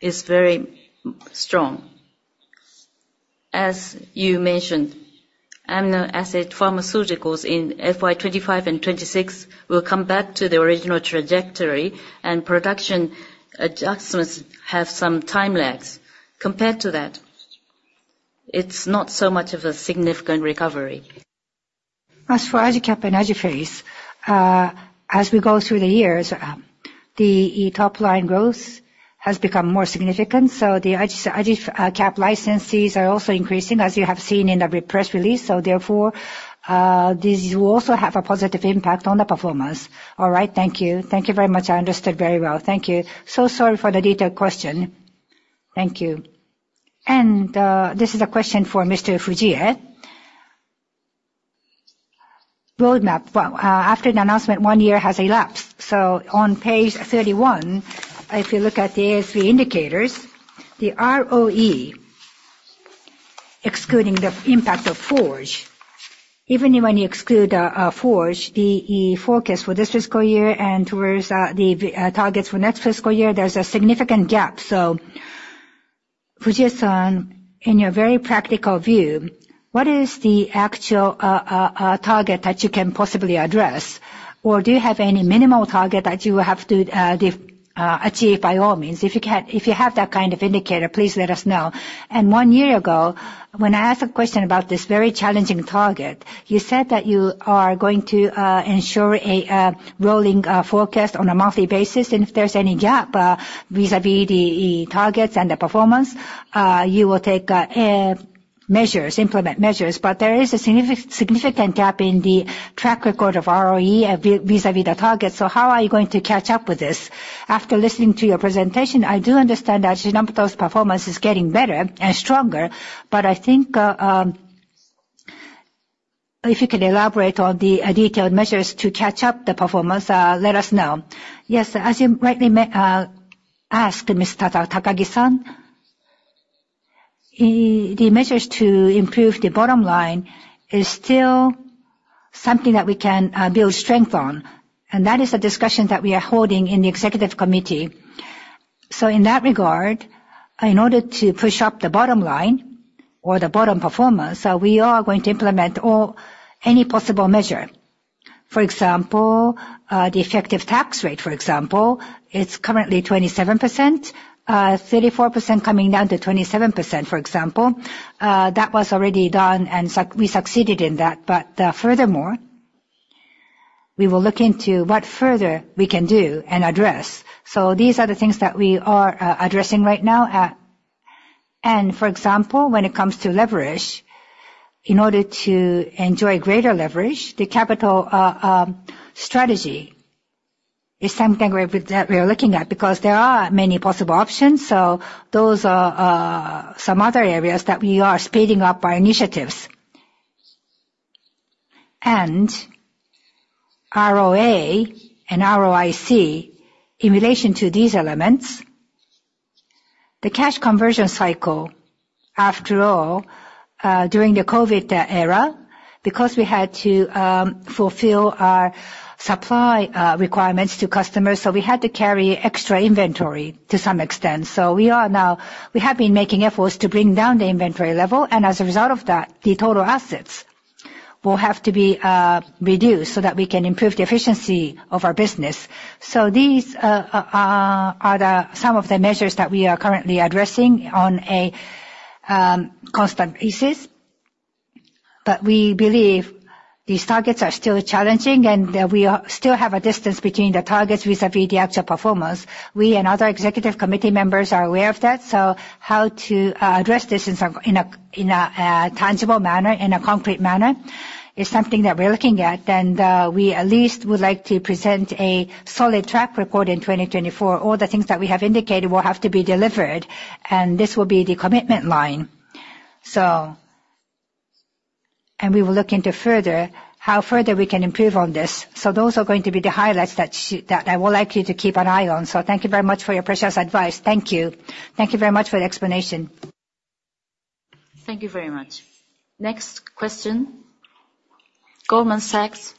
S2: is very strong. As you mentioned, amino acid pharmaceuticals in FY2025 and 2026 will come back to the original trajectory, and production adjustments have some time lags. Compared to that, it's not so much of a significant recovery. As for AJICAP and AJIPHASE, as we go through the years, the top line growth has become more significant. So the AJICAP licenses are also increasing, as you have seen in the press release. So therefore, these will also have a positive impact on the performance.
S6: All right. Thank you. Thank you very much. I understood very well. Thank you. So sorry for the detailed question. Thank you. And this is a question for Mr. Fujie. Roadmap. After the announcement, one year has elapsed. So on page 31, if you look at the ASV indicators, the ROE, excluding the impact of Forge, even when you exclude Forge, the forecast for this fiscal year and towards the targets for next fiscal year, there's a significant gap. So Fujie-san, in your very practical view, what is the actual target that you can possibly address? Or do you have any minimal target that you will have to achieve by all means? If you have that kind of indicator, please let us know. One year ago, when I asked a question about this very challenging target, you said that you are going to ensure a rolling forecast on a monthly basis. If there's any gap vis-à-vis the targets and the performance, you will take measures, implement measures. There is a significant gap in the track record of ROE vis-à-vis the targets. How are you going to catch up with this? After listening to your presentation, I do understand that Hinamoto's performance is getting better and stronger. I think if you can elaborate on the detailed measures to catch up the performance, let us know.
S2: Yes, as you rightly asked, Ms. Takagi-san, the measures to improve the bottom line is still something that we can build strength on. That is a discussion that we are holding in the executive committee. In that regard, in order to push up the bottom line or the bottom performance, we are going to implement any possible measure. For example, the effective tax rate, for example, it's currently 27%, 34% coming down to 27%, for example. That was already done, and we succeeded in that. Furthermore, we will look into what further we can do and address. These are the things that we are addressing right now. For example, when it comes to leverage, in order to enjoy greater leverage, the capital strategy is something that we are looking at because there are many possible options. Those are some other areas that we are speeding up our initiatives. ROA and ROIC in relation to these elements, the cash conversion cycle, after all, during the COVID era, because we had to fulfill our supply requirements to customers, so we had to carry extra inventory to some extent. So we have been making efforts to bring down the inventory level. And as a result of that, the total assets will have to be reduced so that we can improve the efficiency of our business. So these are some of the measures that we are currently addressing on a constant basis. But we believe these targets are still challenging, and we still have a distance between the targets vis-à-vis the actual performance. We and other executive committee members are aware of that. So how to address this in a tangible manner, in a concrete manner, is something that we're looking at. We at least would like to present a solid track record in 2024. All the things that we have indicated will have to be delivered. This will be the commitment line. We will look into further how further we can improve on this. Those are going to be the highlights that I would like you to keep an eye on. Thank you very much for your precious advice. Thank you.
S6: Thank you very much for the explanation.
S4: Thank you very much. Next question. Goldman Sachs.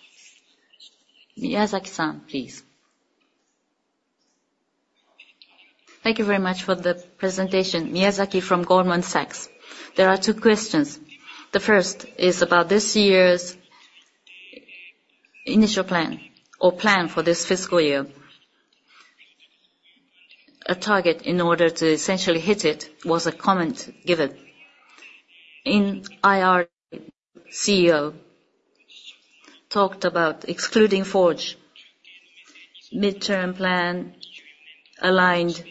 S4: Miyazaki-san, please.
S8: Thank you very much for the presentation, Miyazaki from Goldman Sachs. There are two questions. The first is about this year's initial plan or plan for this fiscal year. A target in order to essentially hit it was a comment given. In IR, CEO talked about excluding Forge. Midterm plan aligned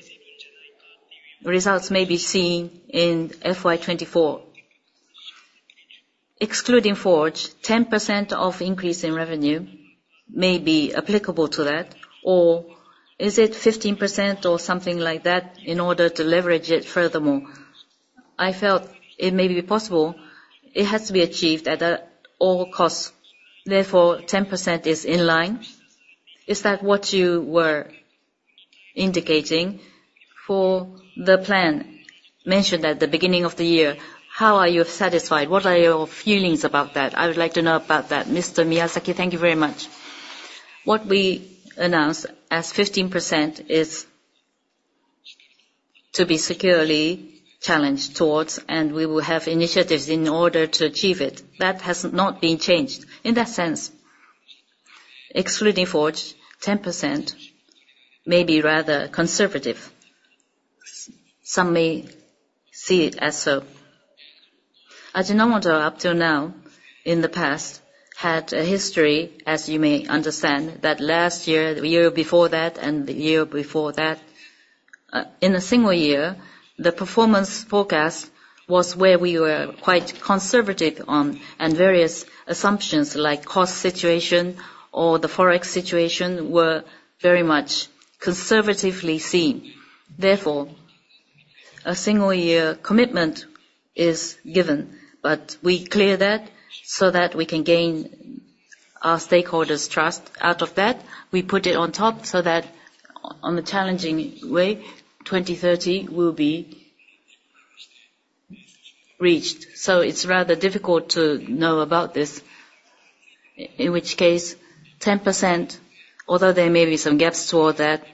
S8: results may be seen in FY24. Excluding Forge, 10% of increase in revenue may be applicable to that. Or is it 15% or something like that in order to leverage it furthermore? I felt it may be possible. It has to be achieved at all costs. Therefore, 10% is in line. Is that what you were indicating? For the plan mentioned at the beginning of the year, how are you satisfied? What are your feelings about that? I would like to know about that.
S2: Mr. Miyazaki. Thank you very much. What we announced as 15% is to be securely challenged towards, and we will have initiatives in order to achieve it. That has not been changed in that sense. Excluding Forge, 10% may be rather conservative. Some may see it as so. Ajinomoto up till now in the past had a history, as you may understand, that last year, the year before that, and the year before that, in a single year, the performance forecast was where we were quite conservative on. And various assumptions like cost situation or the forex situation were very much conservatively seen. Therefore, a single-year commitment is given. But we clear that so that we can gain our stakeholders' trust. Out of that, we put it on top so that on a challenging way, 2030 will be reached. So it's rather difficult to know about this. In which case, 10%, although there may be some gaps toward that,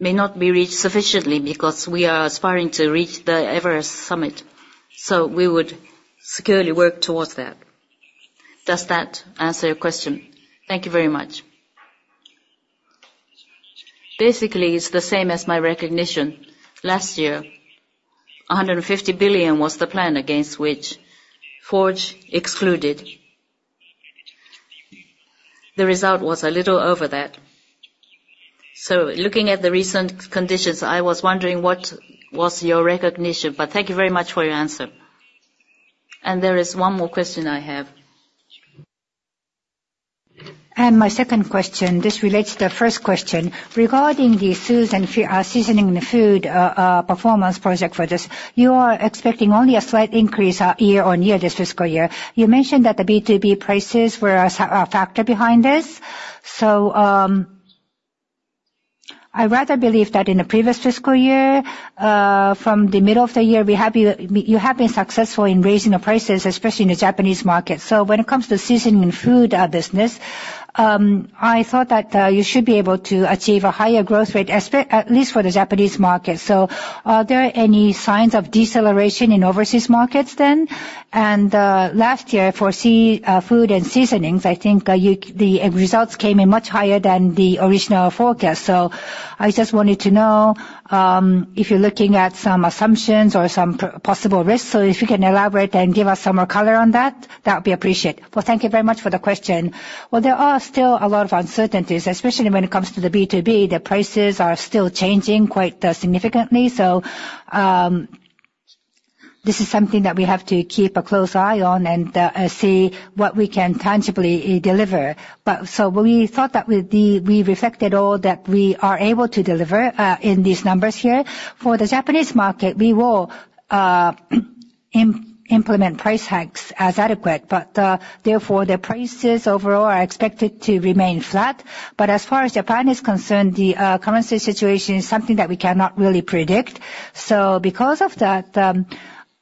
S2: may not be reached sufficiently because we are aspiring to reach the Everest summit. So we would securely work towards that. Does that answer your question?
S8: Thank you very much. Basically, it's the same as my recognition. Last year, 150 billion was the plan against which Forge excluded. The result was a little over that. So looking at the recent conditions, I was wondering what was your recognition. But thank you very much for your answer. And there is one more question I have. My second question, this relates to the first question. Regarding the seasoning and food performance prospect for this, you are expecting only a slight increase year-on-year this fiscal year. You mentioned that the B2B prices were a factor behind this. So I rather believe that in the previous fiscal year, from the middle of the year, you have been successful in raising the prices, especially in the Japanese market. So when it comes to seasoning and food business, I thought that you should be able to achieve a higher growth rate, at least for the Japanese market. So are there any signs of deceleration in overseas markets then? And last year, for seafood and seasonings, I think the results came in much higher than the original forecast. So I just wanted to know if you're looking at some assumptions or some possible risks. So if you can elaborate and give us some more color on that, that would be appreciated.
S2: Well, thank you very much for the question. Well, there are still a lot of uncertainties, especially when it comes to the B2B. The prices are still changing quite significantly. So this is something that we have to keep a close eye on and see what we can tangibly deliver. So we thought that we reflected all that we are able to deliver in these numbers here. For the Japanese market, we will implement price hikes as adequate. But therefore, the prices overall are expected to remain flat. But as far as Japan is concerned, the currency situation is something that we cannot really predict. So because of that,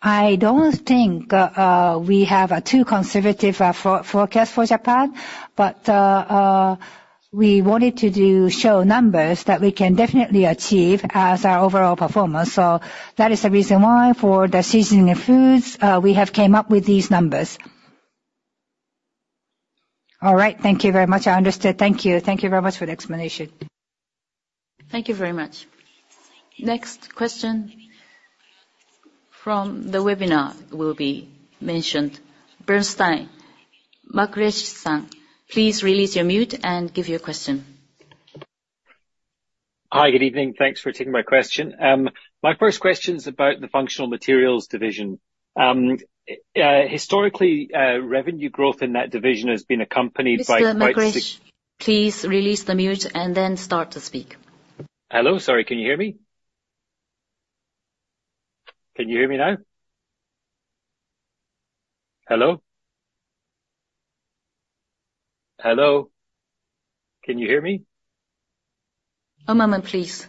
S2: I don't think we have a too conservative forecast for Japan. But we wanted to show numbers that we can definitely achieve as our overall performance. So that is the reason why for the seasoning and foods, we have came up with these numbers.
S8: All right. Thank you very much. I understood. Thank you. Thank you very much for the explanation.
S4: Thank you very much. Next question from the webinar will be mentioned. Bernstein. Mukul Garg-san, please release your mute and give your question.
S9: Hi. Good evening. Thanks for taking my question. My first question is about the Functional Materials division. Historically, revenue growth in that division has been accompanied by prices.
S4: Mr. Mukul Garg, please release the mute and then start to speak.
S9: Hello? Sorry. Can you hear me? Can you hear me now? Hello? Hello? Can you hear me?
S4: One moment, please.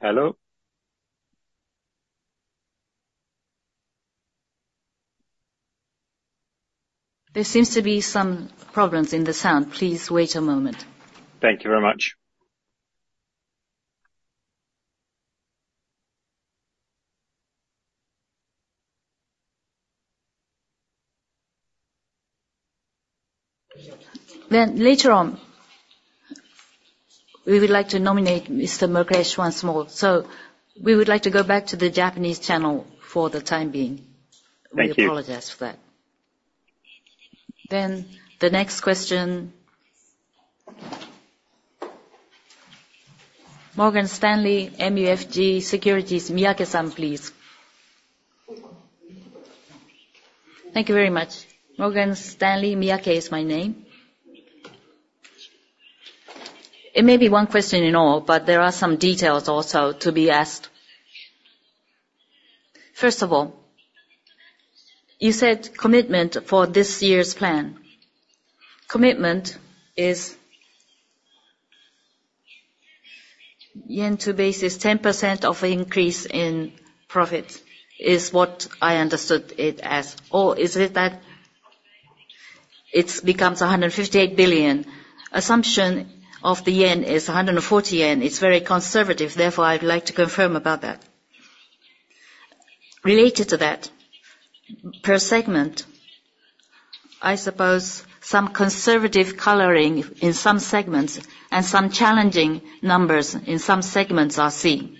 S9: Hello?
S4: There seems to be some problems in the sound. Please wait a moment.
S9: Thank you very much.
S4: Then later on, we would like to nominate Mr. Mukul Garg once more. So we would like to go back to the Japanese channel for the time being. We apologize for that. Then the next question. Morgan Stanley MUFG Securities. Miyake-san, please.
S10: Thank you very much. Morgan Stanley. Miyake is my name. It may be one question in all, but there are some details also to be asked. First of all, you said commitment for this year's plan. Commitment is year on two basis, 10% of increase in profit is what I understood it as. Or is it that it becomes 158 billion? Assumption of the yen is 140 yen. It's very conservative. Therefore, I would like to confirm about that. Related to that, per segment, I suppose some conservative coloring in some segments and some challenging numbers in some segments are seen.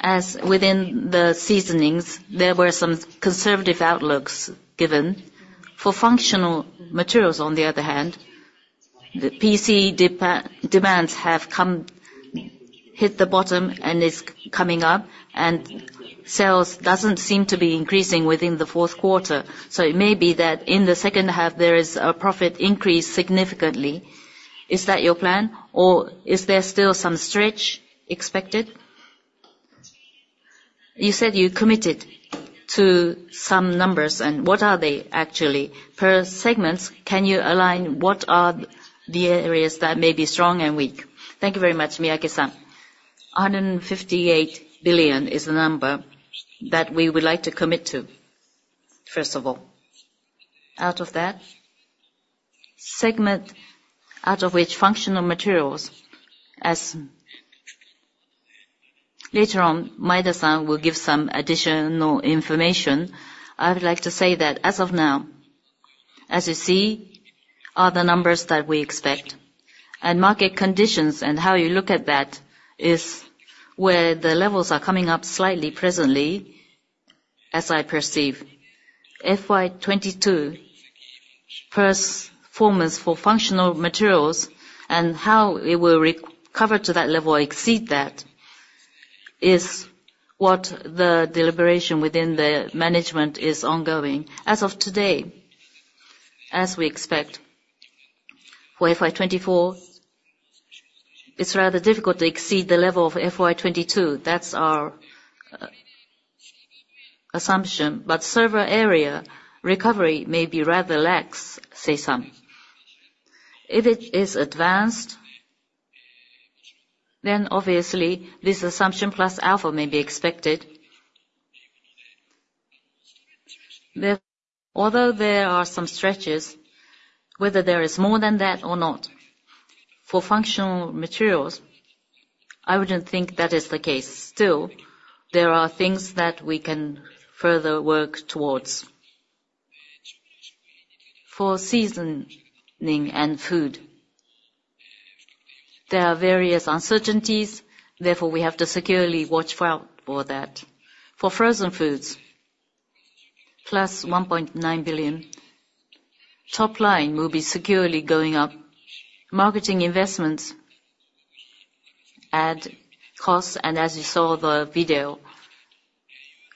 S10: As with the seasonings, there were some conservative outlooks given. For functional materials, on the other hand, the PC demands have hit the bottom and it's coming up. Sales doesn't seem to be increasing within the fourth quarter. It may be that in the second half, there is a profit increase significantly. Is that your plan? Or is there still some stretch expected? You said you committed to some numbers. And what are they actually? Per segments, can you align what are the areas that may be strong and weak?
S2: Thank you very much, Miyake-san. 158 billion is the number that we would like to commit to, first of all. Out of that, segment out of which functional materials, as later on, Maeda-san will give some additional information, I would like to say that as of now, as you see, are the numbers that we expect. Market conditions and how you look at that is where the levels are coming up slightly presently, as I perceive. FY22 performance for functional materials and how it will recover to that level or exceed that is what the deliberation within the management is ongoing. As of today, as we expect. For FY24, it's rather difficult to exceed the level of FY22. That's our assumption. But server area recovery may be rather lax, say some. If it is advanced, then obviously, this assumption plus alpha may be expected. Although there are some stretches, whether there is more than that or not for functional materials, I wouldn't think that is the case. Still, there are things that we can further work towards. For seasoning and food, there are various uncertainties. Therefore, we have to securely watch out for that. For frozen foods, plus 1.9 billion, top line will be securely going up. Marketing investments add costs. As you saw the video,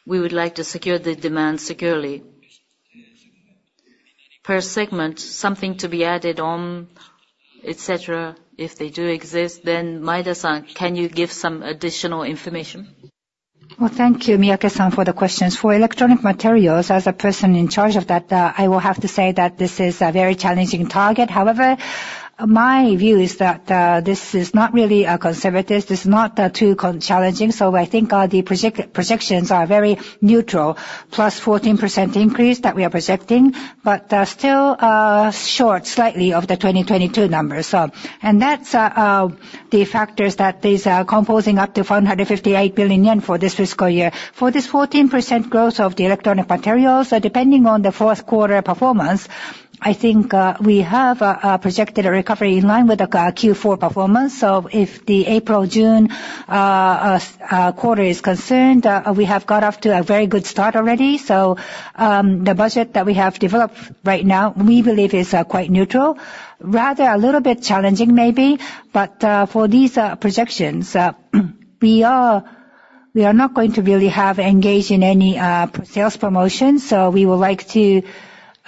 S2: we would like to secure the demand securely. Per segment, something to be added on, etc., if they do exist, then Maeda-san, can you give some additional information?
S3: Well, thank you, Miyake-san, for the questions. For electronic materials, as a person in charge of that, I will have to say that this is a very challenging target. However, my view is that this is not really a conservative. This is not too challenging. So I think the projections are very neutral, plus 14% increase that we are projecting, but still short slightly of the 2022 numbers. And that's the factors that these are composing up to 458 billion yen for this fiscal year. For this 14% growth of the electronic materials, depending on the fourth quarter performance, I think we have projected a recovery in line with a Q4 performance. So if the April, June quarter is concerned, we have got off to a very good start already. So the budget that we have developed right now, we believe, is quite neutral. Rather a little bit challenging maybe. But for these projections, we are not going to really engage in any sales promotions. So we would like to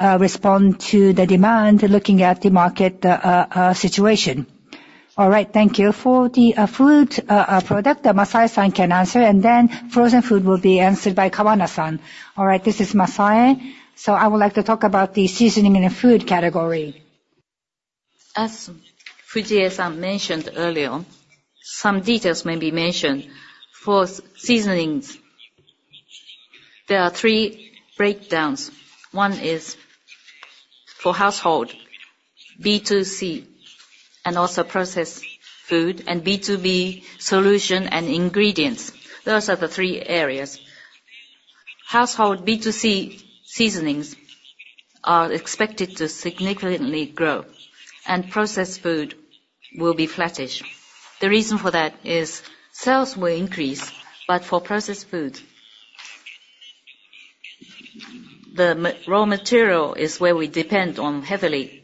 S3: respond to the demand looking at the market situation. All right. Thank you. For the food product, Masai-san can answer. Then frozen food will be answered by Kawana-san. All right. This is Masai. So I would like to talk about the seasoning and food category. As Fujie-san mentioned earlier, some details may be mentioned. For seasonings, there are three breakdowns. One is for household B2C and also processed food and B2B solution and ingredients. Those are the three areas. Household B2C seasonings are expected to significantly grow. Processed food will be flattish. The reason for that is sales will increase. For processed food, the raw material is where we depend on heavily.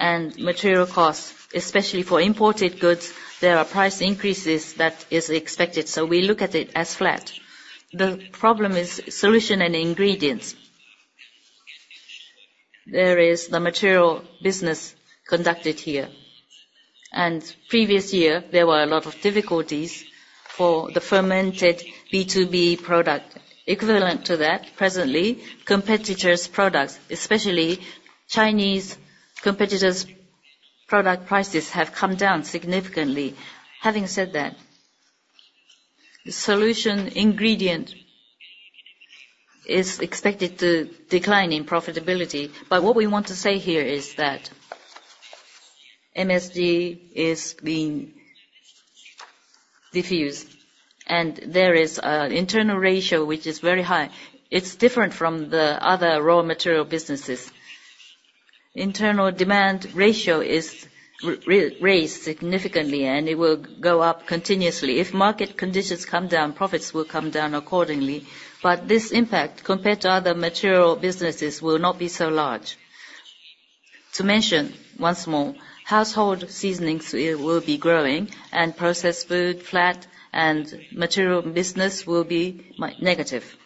S3: Material costs, especially for imported goods, there are price increases that is expected. We look at it as flat. The problem is solution and ingredients. There is the material business conducted here. Previous year, there were a lot of difficulties for the fermented B2B product. Equivalent to that, presently, competitors' products, especially Chinese competitors' product prices, have come down significantly. Having said that, the solution ingredient is expected to decline in profitability. What we want to say here is that MSG is being diffused. There is an internal ratio which is very high. It's different from the other raw material businesses. Internal demand ratio is raised significantly. It will go up continuously. If market conditions come down, profits will come down accordingly. This impact compared to other material businesses will not be so large. To mention once more, household seasonings will be growing. Processed food flat. Material business will be negative.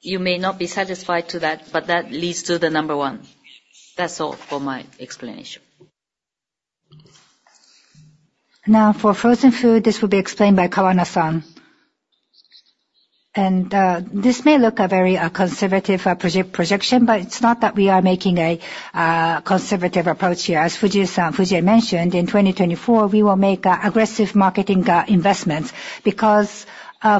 S3: You may not be satisfied to that, but that leads to the number one. That's all for my explanation.
S2: Now, for frozen food, this will be explained by Kawana-san.
S11: This may look a very conservative projection, but it's not that we are making a conservative approach here. As Fujie-san mentioned, in 2024, we will make aggressive marketing investments because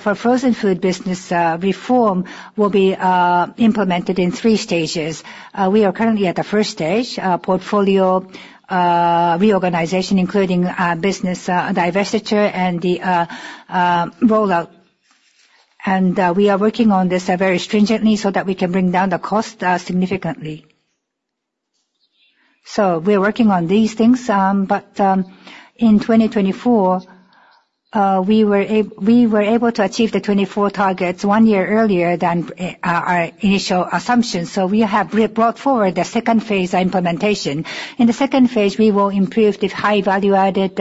S11: for frozen food business reform will be implemented in three stages. We are currently at the first stage, portfolio reorganization, including business divestiture and the rollout. We are working on this very stringently so that we can bring down the cost significantly. We're working on these things. In 2024, we were able to achieve the 2024 targets one year earlier than our initial assumptions. We have brought forward the second phase of implementation. In the second phase, we will improve the high value-added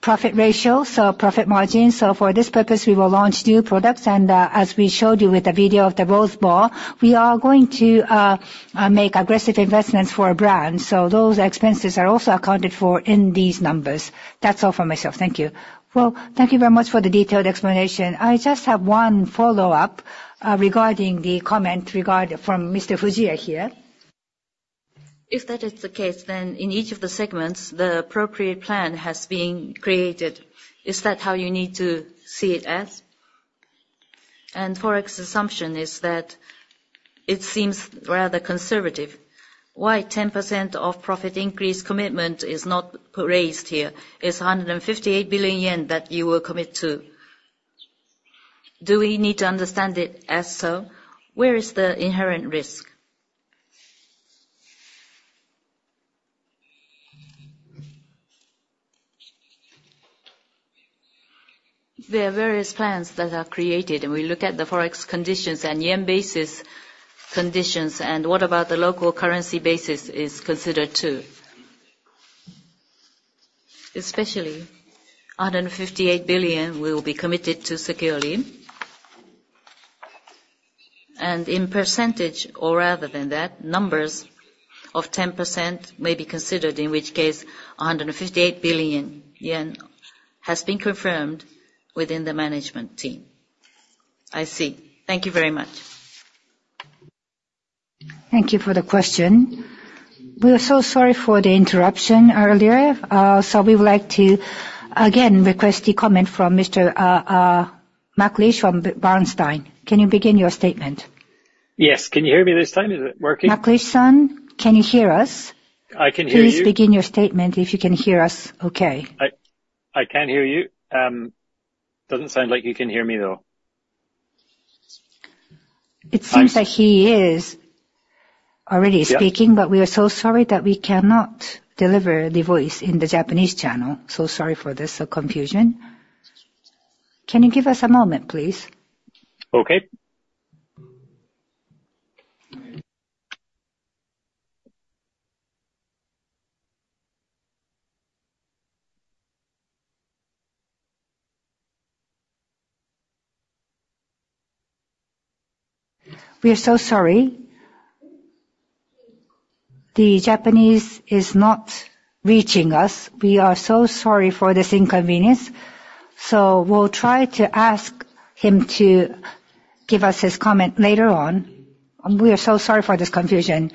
S11: profit ratio, so profit margin. For this purpose, we will launch new products. As we showed you with the video of the Rose Bowl, we are going to make aggressive investments for a brand. So those expenses are also accounted for in these numbers. That's all from myself. Thank you.
S10: Well, thank you very much for the detailed explanation. I just have one follow-up regarding the comment from Mr. Fujie here. If that is the case, then in each of the segments, the appropriate plan has been created. Is that how you need to see it as? Forex assumption is that it seems rather conservative. Why 10% of profit increase commitment is not raised here? It's 158 billion yen that you will commit to. Do we need to understand it as so? Where is the inherent risk?
S2: There are various plans that are created. We look at the Forex conditions and yen basis conditions. What about the local currency basis is considered too? Especially 158 billion will be committed to securely. In percentage, or rather than that, numbers of 10% may be considered, in which case 158 billion yen has been confirmed within the management team.
S10: I see. Thank you very much.
S4: Thank you for the question. We are so sorry for the interruption earlier. We would like to, again, request the comment from Mr. Mike Lish from Bernstein. Can you begin your statement?
S12: Yes. Can you hear me this time? Is it working?
S2: Lish-san, can you hear us?
S12: I can hear you.
S2: Please begin your statement if you can hear us, okay.
S12: I can hear you. Doesn't sound like you can hear me, though.
S2: It seems that he is already speaking. But we are so sorry that we cannot deliver the voice in the Japanese channel. So sorry for this, the confusion. Can you give us a moment, please?
S12: Okay.
S4: We are so sorry. The Japanese is not reaching us. We are so sorry for this inconvenience. So we'll try to ask him to give us his comment later on. We are so sorry for this confusion.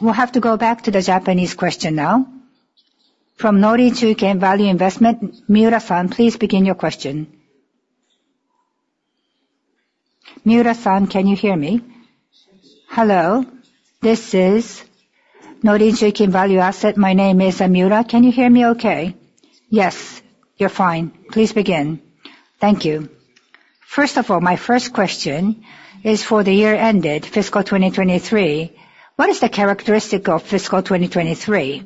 S4: We'll have to go back to the Japanese question now. From Norinchukin Value Investments, Miura-san, please begin your question. Miura-san, can you hear me?
S13: Hello. This is Norinchukin Value Investments. My name is Miura. Can you hear me okay?
S4: Yes, you're fine. Please begin.
S13: Thank you. First of all, my first question is for the year ended fiscal 2023. What is the characteristic of fiscal 2023?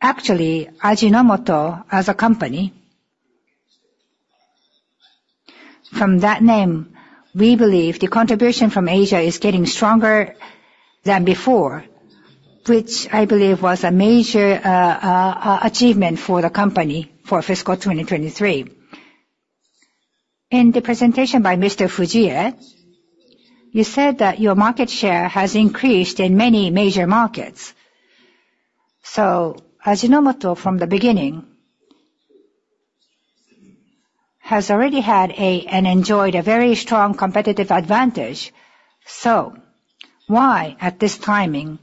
S13: Actually, Ajinomoto as a company, from that name, we believe the contribution from Asia is getting stronger than before, which I believe was a major achievement for the company for fiscal 2023. In the presentation by Mr. Fujie, you said that your market share has increased in many major markets. Ajinomoto, from the beginning, has already had and enjoyed a very strong competitive advantage. Why, at this timing,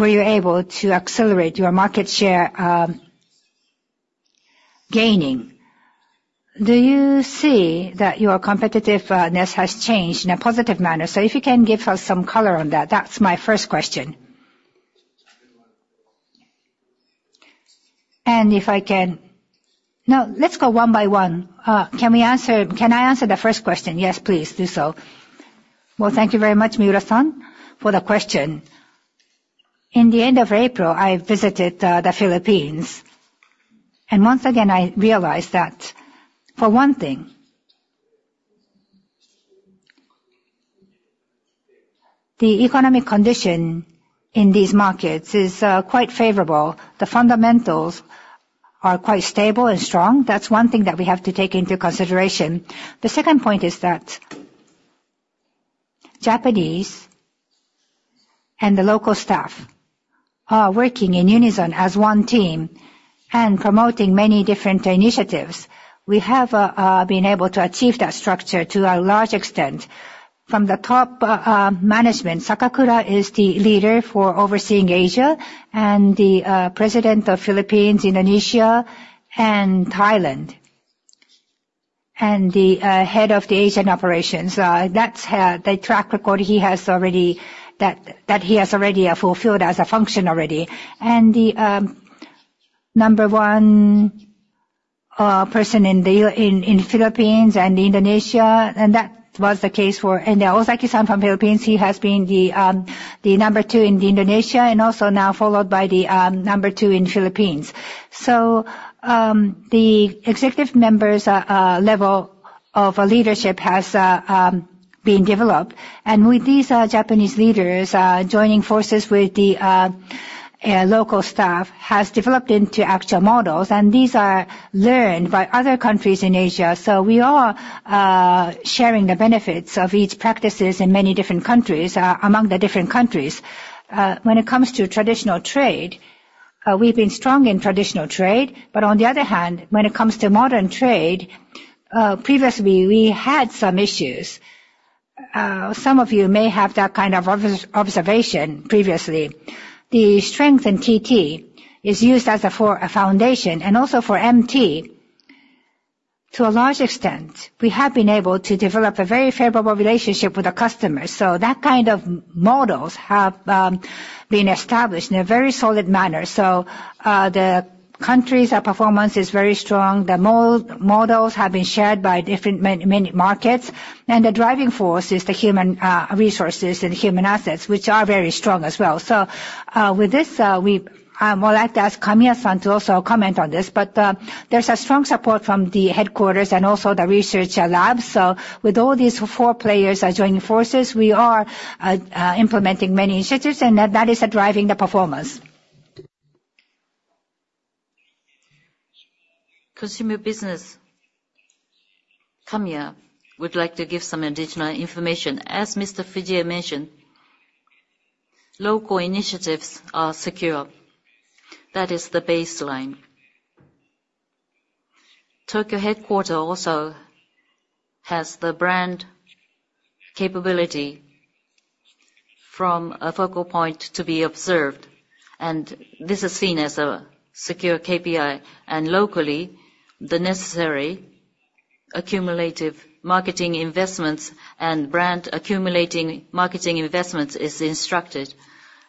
S13: were you able to accelerate your market share gaining? Do you see that your competitiveness has changed in a positive manner? If you can give us some color on that, that's my first question.
S2: If I can now, let's go one by one. Can I answer the first question? Yes, please do so. Well, thank you very much, Miura-san, for the question. In the end of April, I visited the Philippines. Once again, I realized that for one thing, the economic condition in these markets is quite favorable. The fundamentals are quite stable and strong. That's one thing that we have to take into consideration. The second point is that Japanese and the local staff are working in unison as one team and promoting many different initiatives. We have been able to achieve that structure to a large extent from the top management. Sakakura is the leader for overseeing Asia and the president of Philippines, Indonesia, and Thailand, and the head of the Asian operations. The track record he has already that he has already fulfilled as a function already. The number one person in the Philippines and Indonesia, and that was the case for and Osaki-san from Philippines, he has been the number two in Indonesia and also now followed by the number two in Philippines. So the executive members' level of leadership has been developed. With these Japanese leaders joining forces with the local staff has developed into actual models. These are learned by other countries in Asia. So we are sharing the benefits of each practices in many different countries among the different countries. When it comes to traditional trade, we've been strong in traditional trade. But on the other hand, when it comes to modern trade, previously, we had some issues. Some of you may have that kind of observation previously. The strength in TT is used as a foundation. And also for MT, to a large extent, we have been able to develop a very favorable relationship with the customers. So that kind of models have been established in a very solid manner. So the countries' performance is very strong. The models have been shared by different many markets. And the driving force is the human resources and human assets, which are very strong as well. So with this, I would like to ask Kamiya-san to also comment on this. But there's a strong support from the headquarters and also the research lab. So with all these four players joining forces, we are implementing many initiatives. And that is driving the performance. Consumer business, Kamiya would like to give some additional information.
S14: As Mr. Fujie mentioned, local initiatives are secure. That is the baseline. Tokyo headquarters also has the brand capability from a focal point to be observed. This is seen as a secure KPI. Locally, the necessary accumulative marketing investments and brand accumulating marketing investments is instructed.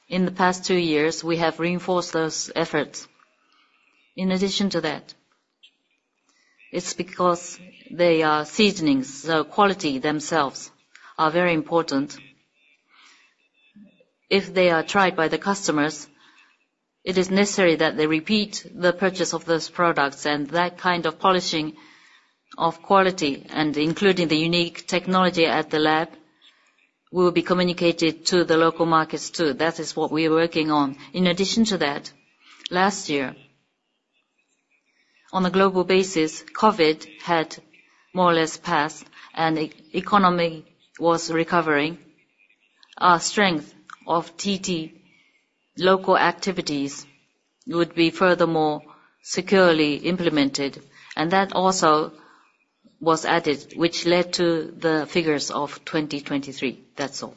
S14: In the past two years, we have reinforced those efforts. In addition to that, it's because they are seasonings. Quality themselves are very important. If they are tried by the customers, it is necessary that they repeat the purchase of those products. That kind of polishing of quality, including the unique technology at the lab, will be communicated to the local markets too. That is what we are working on. In addition to that, last year, on a global basis, COVID had more or less passed. The economy was recovering. Our strength of TT, local activities, would be furthermore securely implemented. That also was added, which led to the figures of 2023. That's all.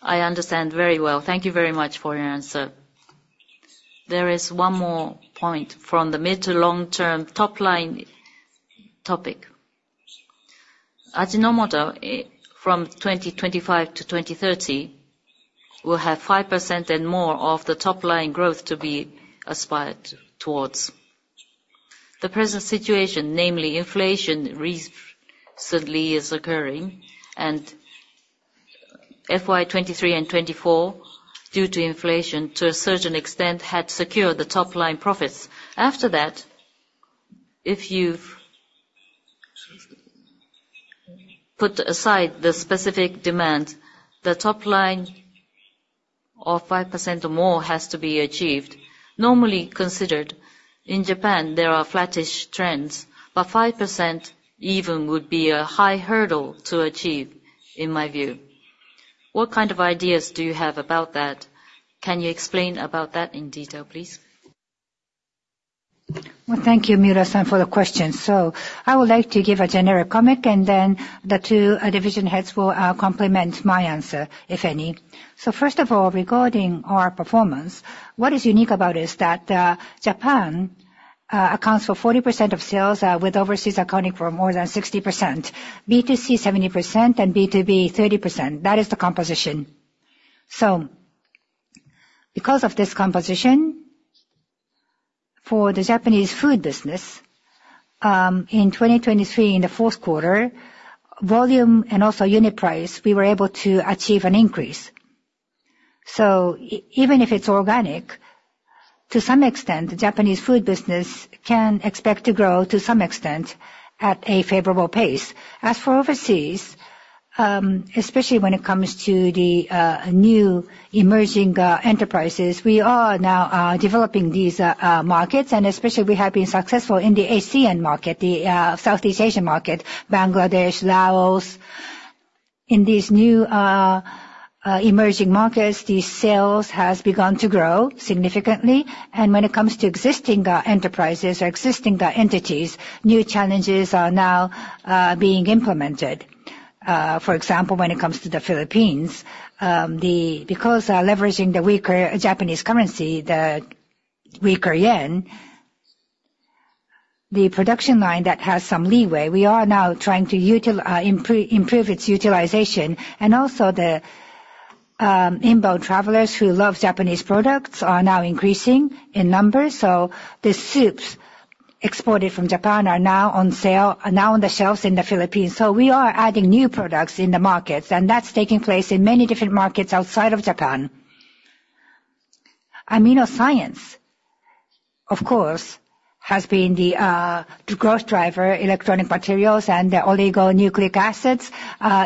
S14: I understand very well.
S13: Thank you very much for your answer. There is one more point from the mid to long-term topline topic. Ajinomoto, from 2025 to 2030, will have 5% and more of the topline growth to be aspired towards. The present situation, namely inflation, recently is occurring. FY23 and 2024, due to inflation, to a certain extent, had secured the topline profits. After that, if you put aside the specific demand, the topline of 5% or more has to be achieved. Normally considered, in Japan, there are flattish trends. But 5% even would be a high hurdle to achieve, in my view. What kind of ideas do you have about that? Can you explain about that in detail, please?
S2: Well, thank you, Miura-san, for the question. So I would like to give a generic comment. And then the two division heads will complement my answer, if any. So first of all, regarding our performance, what is unique about it is that Japan accounts for 40% of sales with overseas accounting from more than 60%, B2C 70%, and B2B 30%. That is the composition. So because of this composition, for the Japanese food business, in 2023, in the fourth quarter, volume and also unit price, we were able to achieve an increase. So even if it's organic, to some extent, the Japanese food business can expect to grow to some extent at a favorable pace. As for overseas, especially when it comes to the new emerging enterprises, we are now developing these markets. And especially, we have been successful in the ASEAN market, the Southeast Asian market, Bangladesh, Laos. In these new emerging markets, the sales have begun to grow significantly. When it comes to existing enterprises or existing entities, new challenges are now being implemented. For example, when it comes to the Philippines, because leveraging the weaker Japanese currency, the weaker yen, the production line that has some leeway, we are now trying to improve its utilization. Also, the inbound travelers who love Japanese products are now increasing in number. The soups exported from Japan are now on sale now on the shelves in the Philippines. We are adding new products in the markets. That's taking place in many different markets outside of Japan. AminoScience, of course, has been the growth driver. Electronic materials and oligonucleotides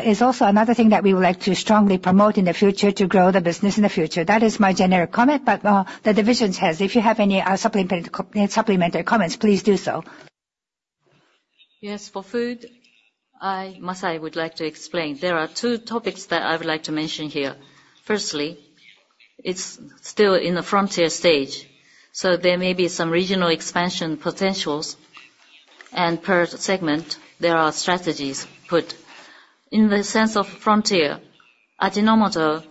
S2: is also another thing that we would like to strongly promote in the future to grow the business in the future. That is my generic comment. But the division's head, if you have any supplementary comments, please do so.
S15: Yes. For food, I, Masai, would like to explain. There are two topics that I would like to mention here. Firstly, it's still in the frontier stage. So there may be some regional expansion potentials. Per segment, there are strategies put. In the sense of frontier, Ajinomoto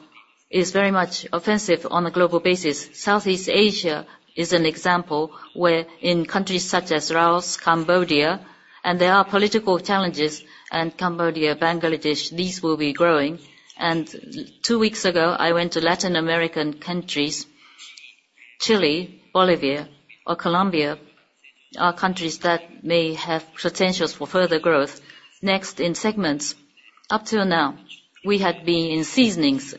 S15: is very much offensive on a global basis. Southeast Asia is an example where in countries such as Laos, Cambodia, and there are political challenges. Cambodia, Bangladesh, these will be growing. Two weeks ago, I went to Latin American countries, Chile, Bolivia, or Colombia, countries that may have potentials for further growth. Next, in segments, up till now, we had been in seasonings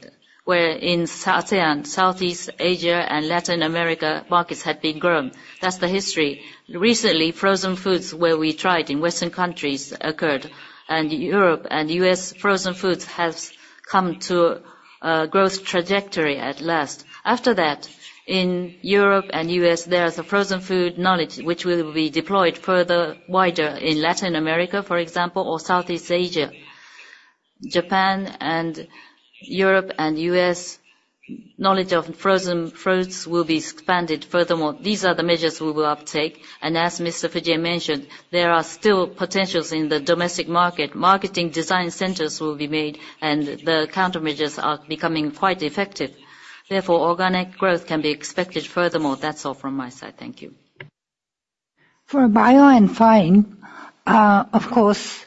S15: where in ASEAN, Southeast Asia, and Latin America markets had been grown. That's the history. Recently, frozen foods where we tried in Western countries occurred. and Europe and U.S. frozen foods have come to a growth trajectory at last. After that, in Europe and U.S., there is a frozen food knowledge, which will be deployed further wider in Latin America, for example, or Southeast Asia. Japan and Europe and U.S. knowledge of frozen fruits will be expanded furthermore. These are the measures we will uptake. As Mr. Fujie mentioned, there are still potentials in the domestic market. Marketing design centers will be made. The countermeasures are becoming quite effective. Therefore, organic growth can be expected furthermore. That's all from my side. Thank you.
S2: For bio and fine chemicals, of course,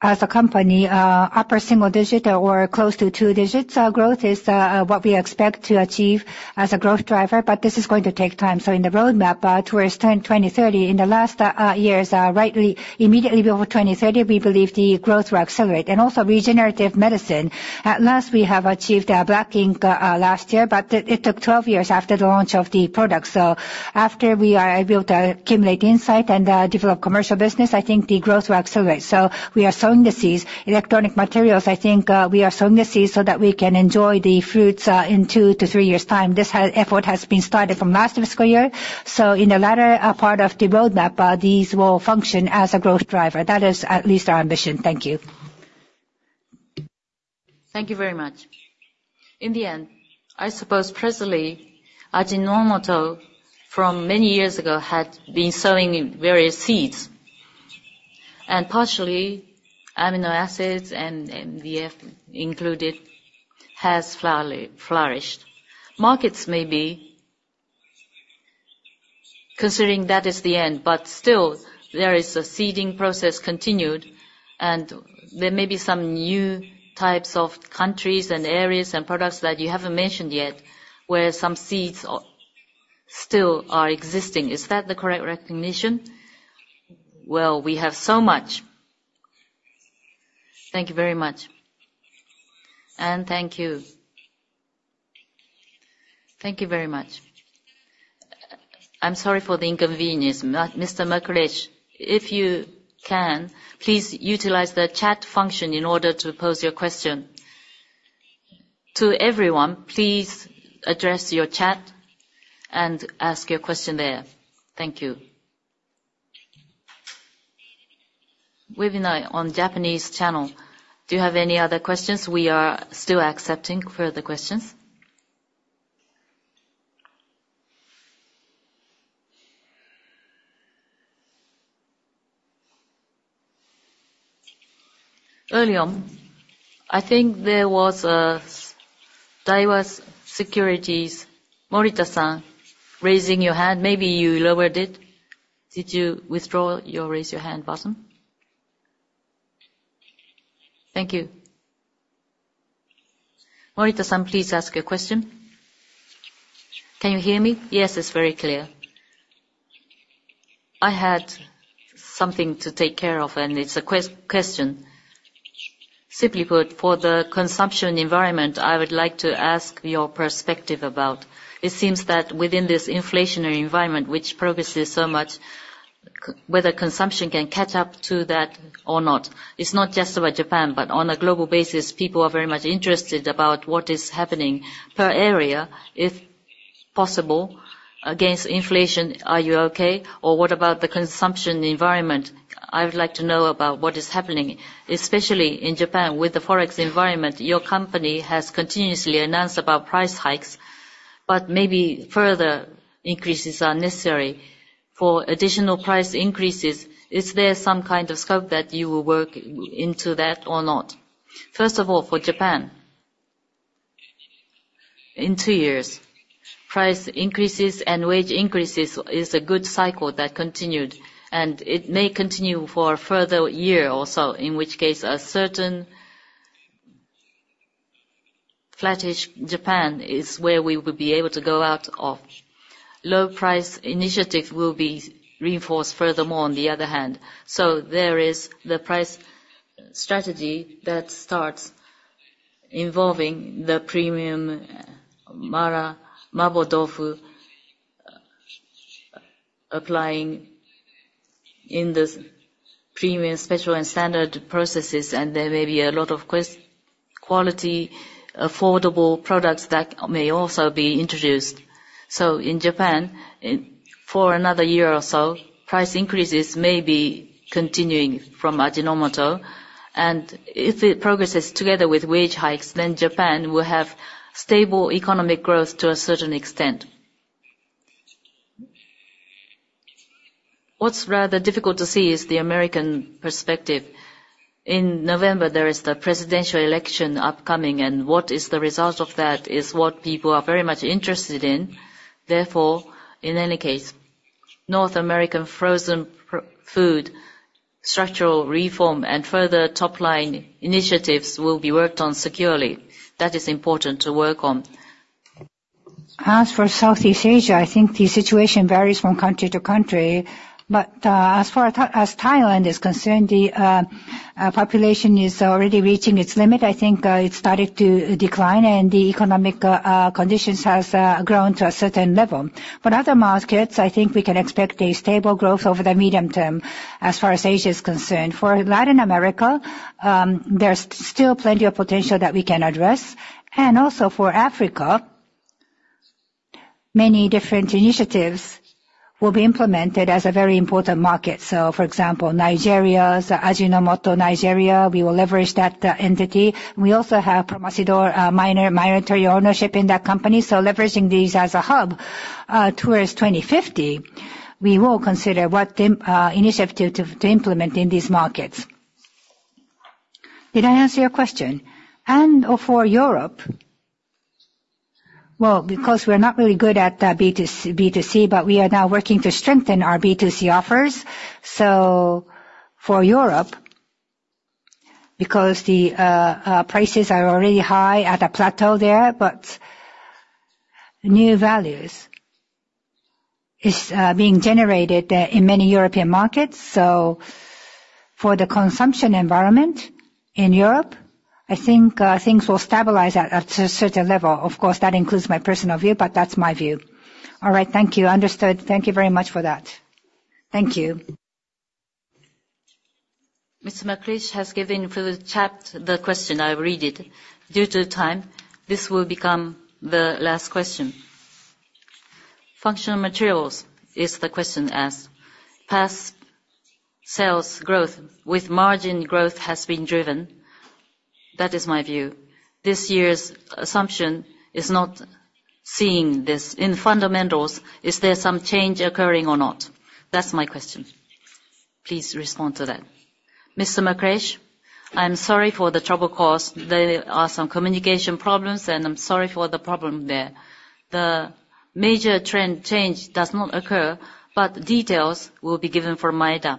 S2: as a company, upper single digit or close to two digits growth is what we expect to achieve as a growth driver. But this is going to take time. So in the roadmap towards 2030, in the last years, right, immediately before 2030, we believe the growth will accelerate. And also, regenerative medicine. At last, we have achieved black ink last year. But it took 12 years after the launch of the product. So after we are able to accumulate insight and develop commercial business, I think the growth will accelerate. So we are sowing the seeds. Electronic materials, I think we are sowing the seeds so that we can enjoy the fruits in 2-3 years' time. This effort has been started from last fiscal year. So in the latter part of the roadmap, these will function as a growth driver. That is at least our ambition. Thank you.
S13: Thank you very much. In the end, I suppose presently, Ajinomoto from many years ago had been sowing various seeds. And partially, amino acids and ABF included has flourished. Markets may be considering that is the end. But still, there is a seeding process continued. And there may be some new types of countries and areas and products that you haven't mentioned yet where some seeds still are existing. Is that the correct recognition?
S2: Well, we have so much. Thank you very much. And thank you.
S4: Thank you very much. I'm sorry for the inconvenience. Mr. Mukul, if you can, please utilize the chat function in order to pose your question. To everyone, please address your chat and ask your question there. Thank you. Webinar on Japanese channel. Do you have any other questions? We are still accepting further questions. Earlier, I think there was a Daiwa Securities. Morita-san raising your hand. Maybe you lowered it. Did you withdraw your raise your hand button? Thank you. Morita-san, please ask your question.
S16: Can you hear me?
S4: Yes, it's very clear.
S16: I had something to take care of. It's a question. Simply put, for the consumption environment, I would like to ask your perspective about. It seems that within this inflationary environment, which progresses so much, whether consumption can catch up to that or not. It's not just about Japan. On a global basis, people are very much interested about what is happening per area, if possible, against inflation. Are you okay? Or what about the consumption environment? I would like to know about what is happening, especially in Japan with the forex environment. Your company has continuously announced about price hikes. Maybe further increases are necessary. For additional price increases, is there some kind of scope that you will work into that or not?
S2: First of all, for Japan, in two years, price increases and wage increases is a good cycle that continued. It may continue for a further year or so, in which case a certain flattish Japan is where we will be able to go out of. Low-price initiatives will be reinforced furthermore, on the other hand. So there is the price strategy that starts involving the premium mapo tofu applying in the premium special and standard processes. And there may be a lot of quality, affordable products that may also be introduced. So in Japan, for another year or so, price increases may be continuing from Ajinomoto. And if it progresses together with wage hikes, then Japan will have stable economic growth to a certain extent. What's rather difficult to see is the American perspective. In November, there is the presidential election upcoming. What is the result of that is what people are very much interested in. Therefore, in any case, North American frozen food structural reform and further topline initiatives will be worked on securely. That is important to work on. As for Southeast Asia, I think the situation varies from country to country. But as far as Thailand is concerned, the population is already reaching its limit. I think it started to decline. And the economic conditions have grown to a certain level. For other markets, I think we can expect a stable growth over the medium term as far as Asia is concerned. For Latin America, there's still plenty of potential that we can address. And also, for Africa, many different initiatives will be implemented as a very important market. So, for example, Nigeria's Ajinomoto Nigeria, we will leverage that entity. We also have Promasidor minor territorial ownership in that company. So leveraging these as a hub towards 2050, we will consider what initiative to implement in these markets. Did I answer your question? For Europe, well, because we're not really good at B2C, but we are now working to strengthen our B2C offers. For Europe, because the prices are already high at a plateau there, but new values is being generated in many European markets. For the consumption environment in Europe, I think things will stabilize at a certain level. Of course, that includes my personal view. But that's my view.
S16: All right. Thank you. Understood. Thank you very much for that.
S4: Thank you. Mr. Mike Lish has given through the chat the question. I read it. Due to time, this will become the last question. Functional materials is the question asked. Past sales growth with margin growth has been driven. That is my view. This year's assumption is not seeing this in fundamentals. Is there some change occurring or not? That's my question. Please respond to that.
S3: Mr. Mike Lish, I'm sorry for the trouble caused. There are some communication problems. I'm sorry for the problem there. The major trend change does not occur. But details will be given from Maeda.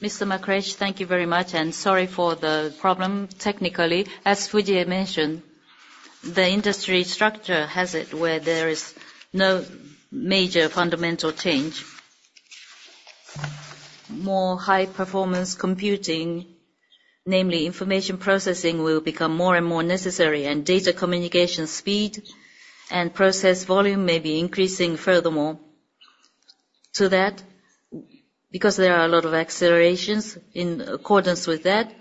S3: Mr. Mukul Garg, thank you very much. Sorry for the problem. Technically, as Fujie mentioned, the industry structure has it where there is no major fundamental change. More high-performance computing, namely information processing, will become more and more necessary. Data communication speed and process volume may be increasing furthermore to that because there are a lot of accelerations. In accordance with that,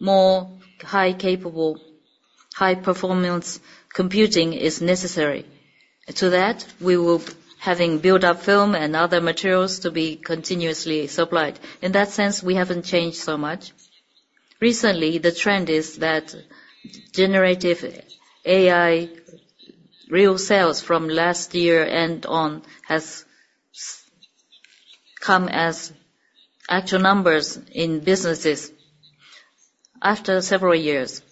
S3: more high-capable, high-performance computing is necessary to that. We will be having built-up film and other materials to be continuously supplied. In that sense, we haven't changed so much. Recently, the trend is that generative AI real sales from last year and on have come as actual numbers in businesses after several years.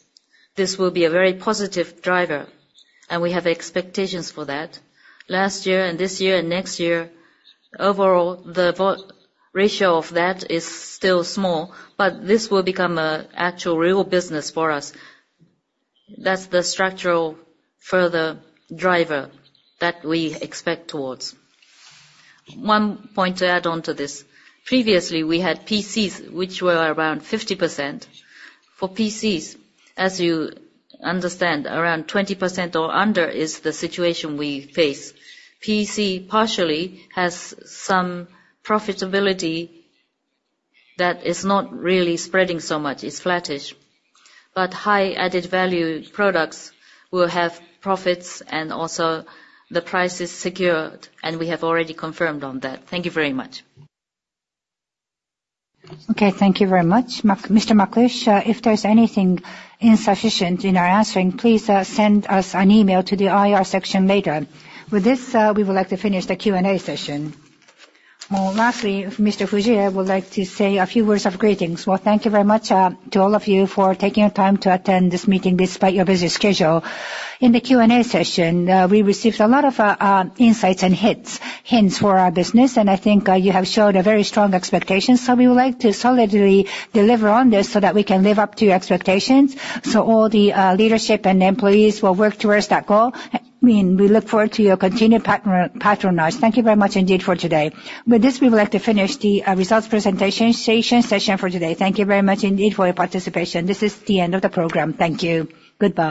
S3: This will be a very positive driver. We have expectations for that last year and this year and next year. Overall, the ratio of that is still small. But this will become an actual real business for us. That's the structural further driver that we expect towards. One point to add on to this. Previously, we had PCs, which were around 50%. For PCs, as you understand, around 20% or under is the situation we face. PC partially has some profitability that is not really spreading so much. It's flattish. But high-added value products will have profits. And also, the price is secured. And we have already confirmed on that. Thank you very much.
S4: Okay. Thank you very much, Mr. Mike Lish. If there's anything insufficient in our answering, please send us an email to the IR section later. With this, we would like to finish the Q&A session. Lastly, Mr. Fujie would like to say a few words of greetings.
S2: Well, thank you very much to all of you for taking your time to attend this meeting despite your busy schedule. In the Q&A session, we received a lot of insights and hints for our business. I think you have showed a very strong expectation. We would like to solidly deliver on this so that we can live up to your expectations. All the leadership and employees will work towards that goal. I mean, we look forward to your continued patronage. Thank you very much indeed for today. With this, we would like to finish the results presentation session for today. Thank you very much indeed for your participation. This is the end of the program. Thank you. Goodbye.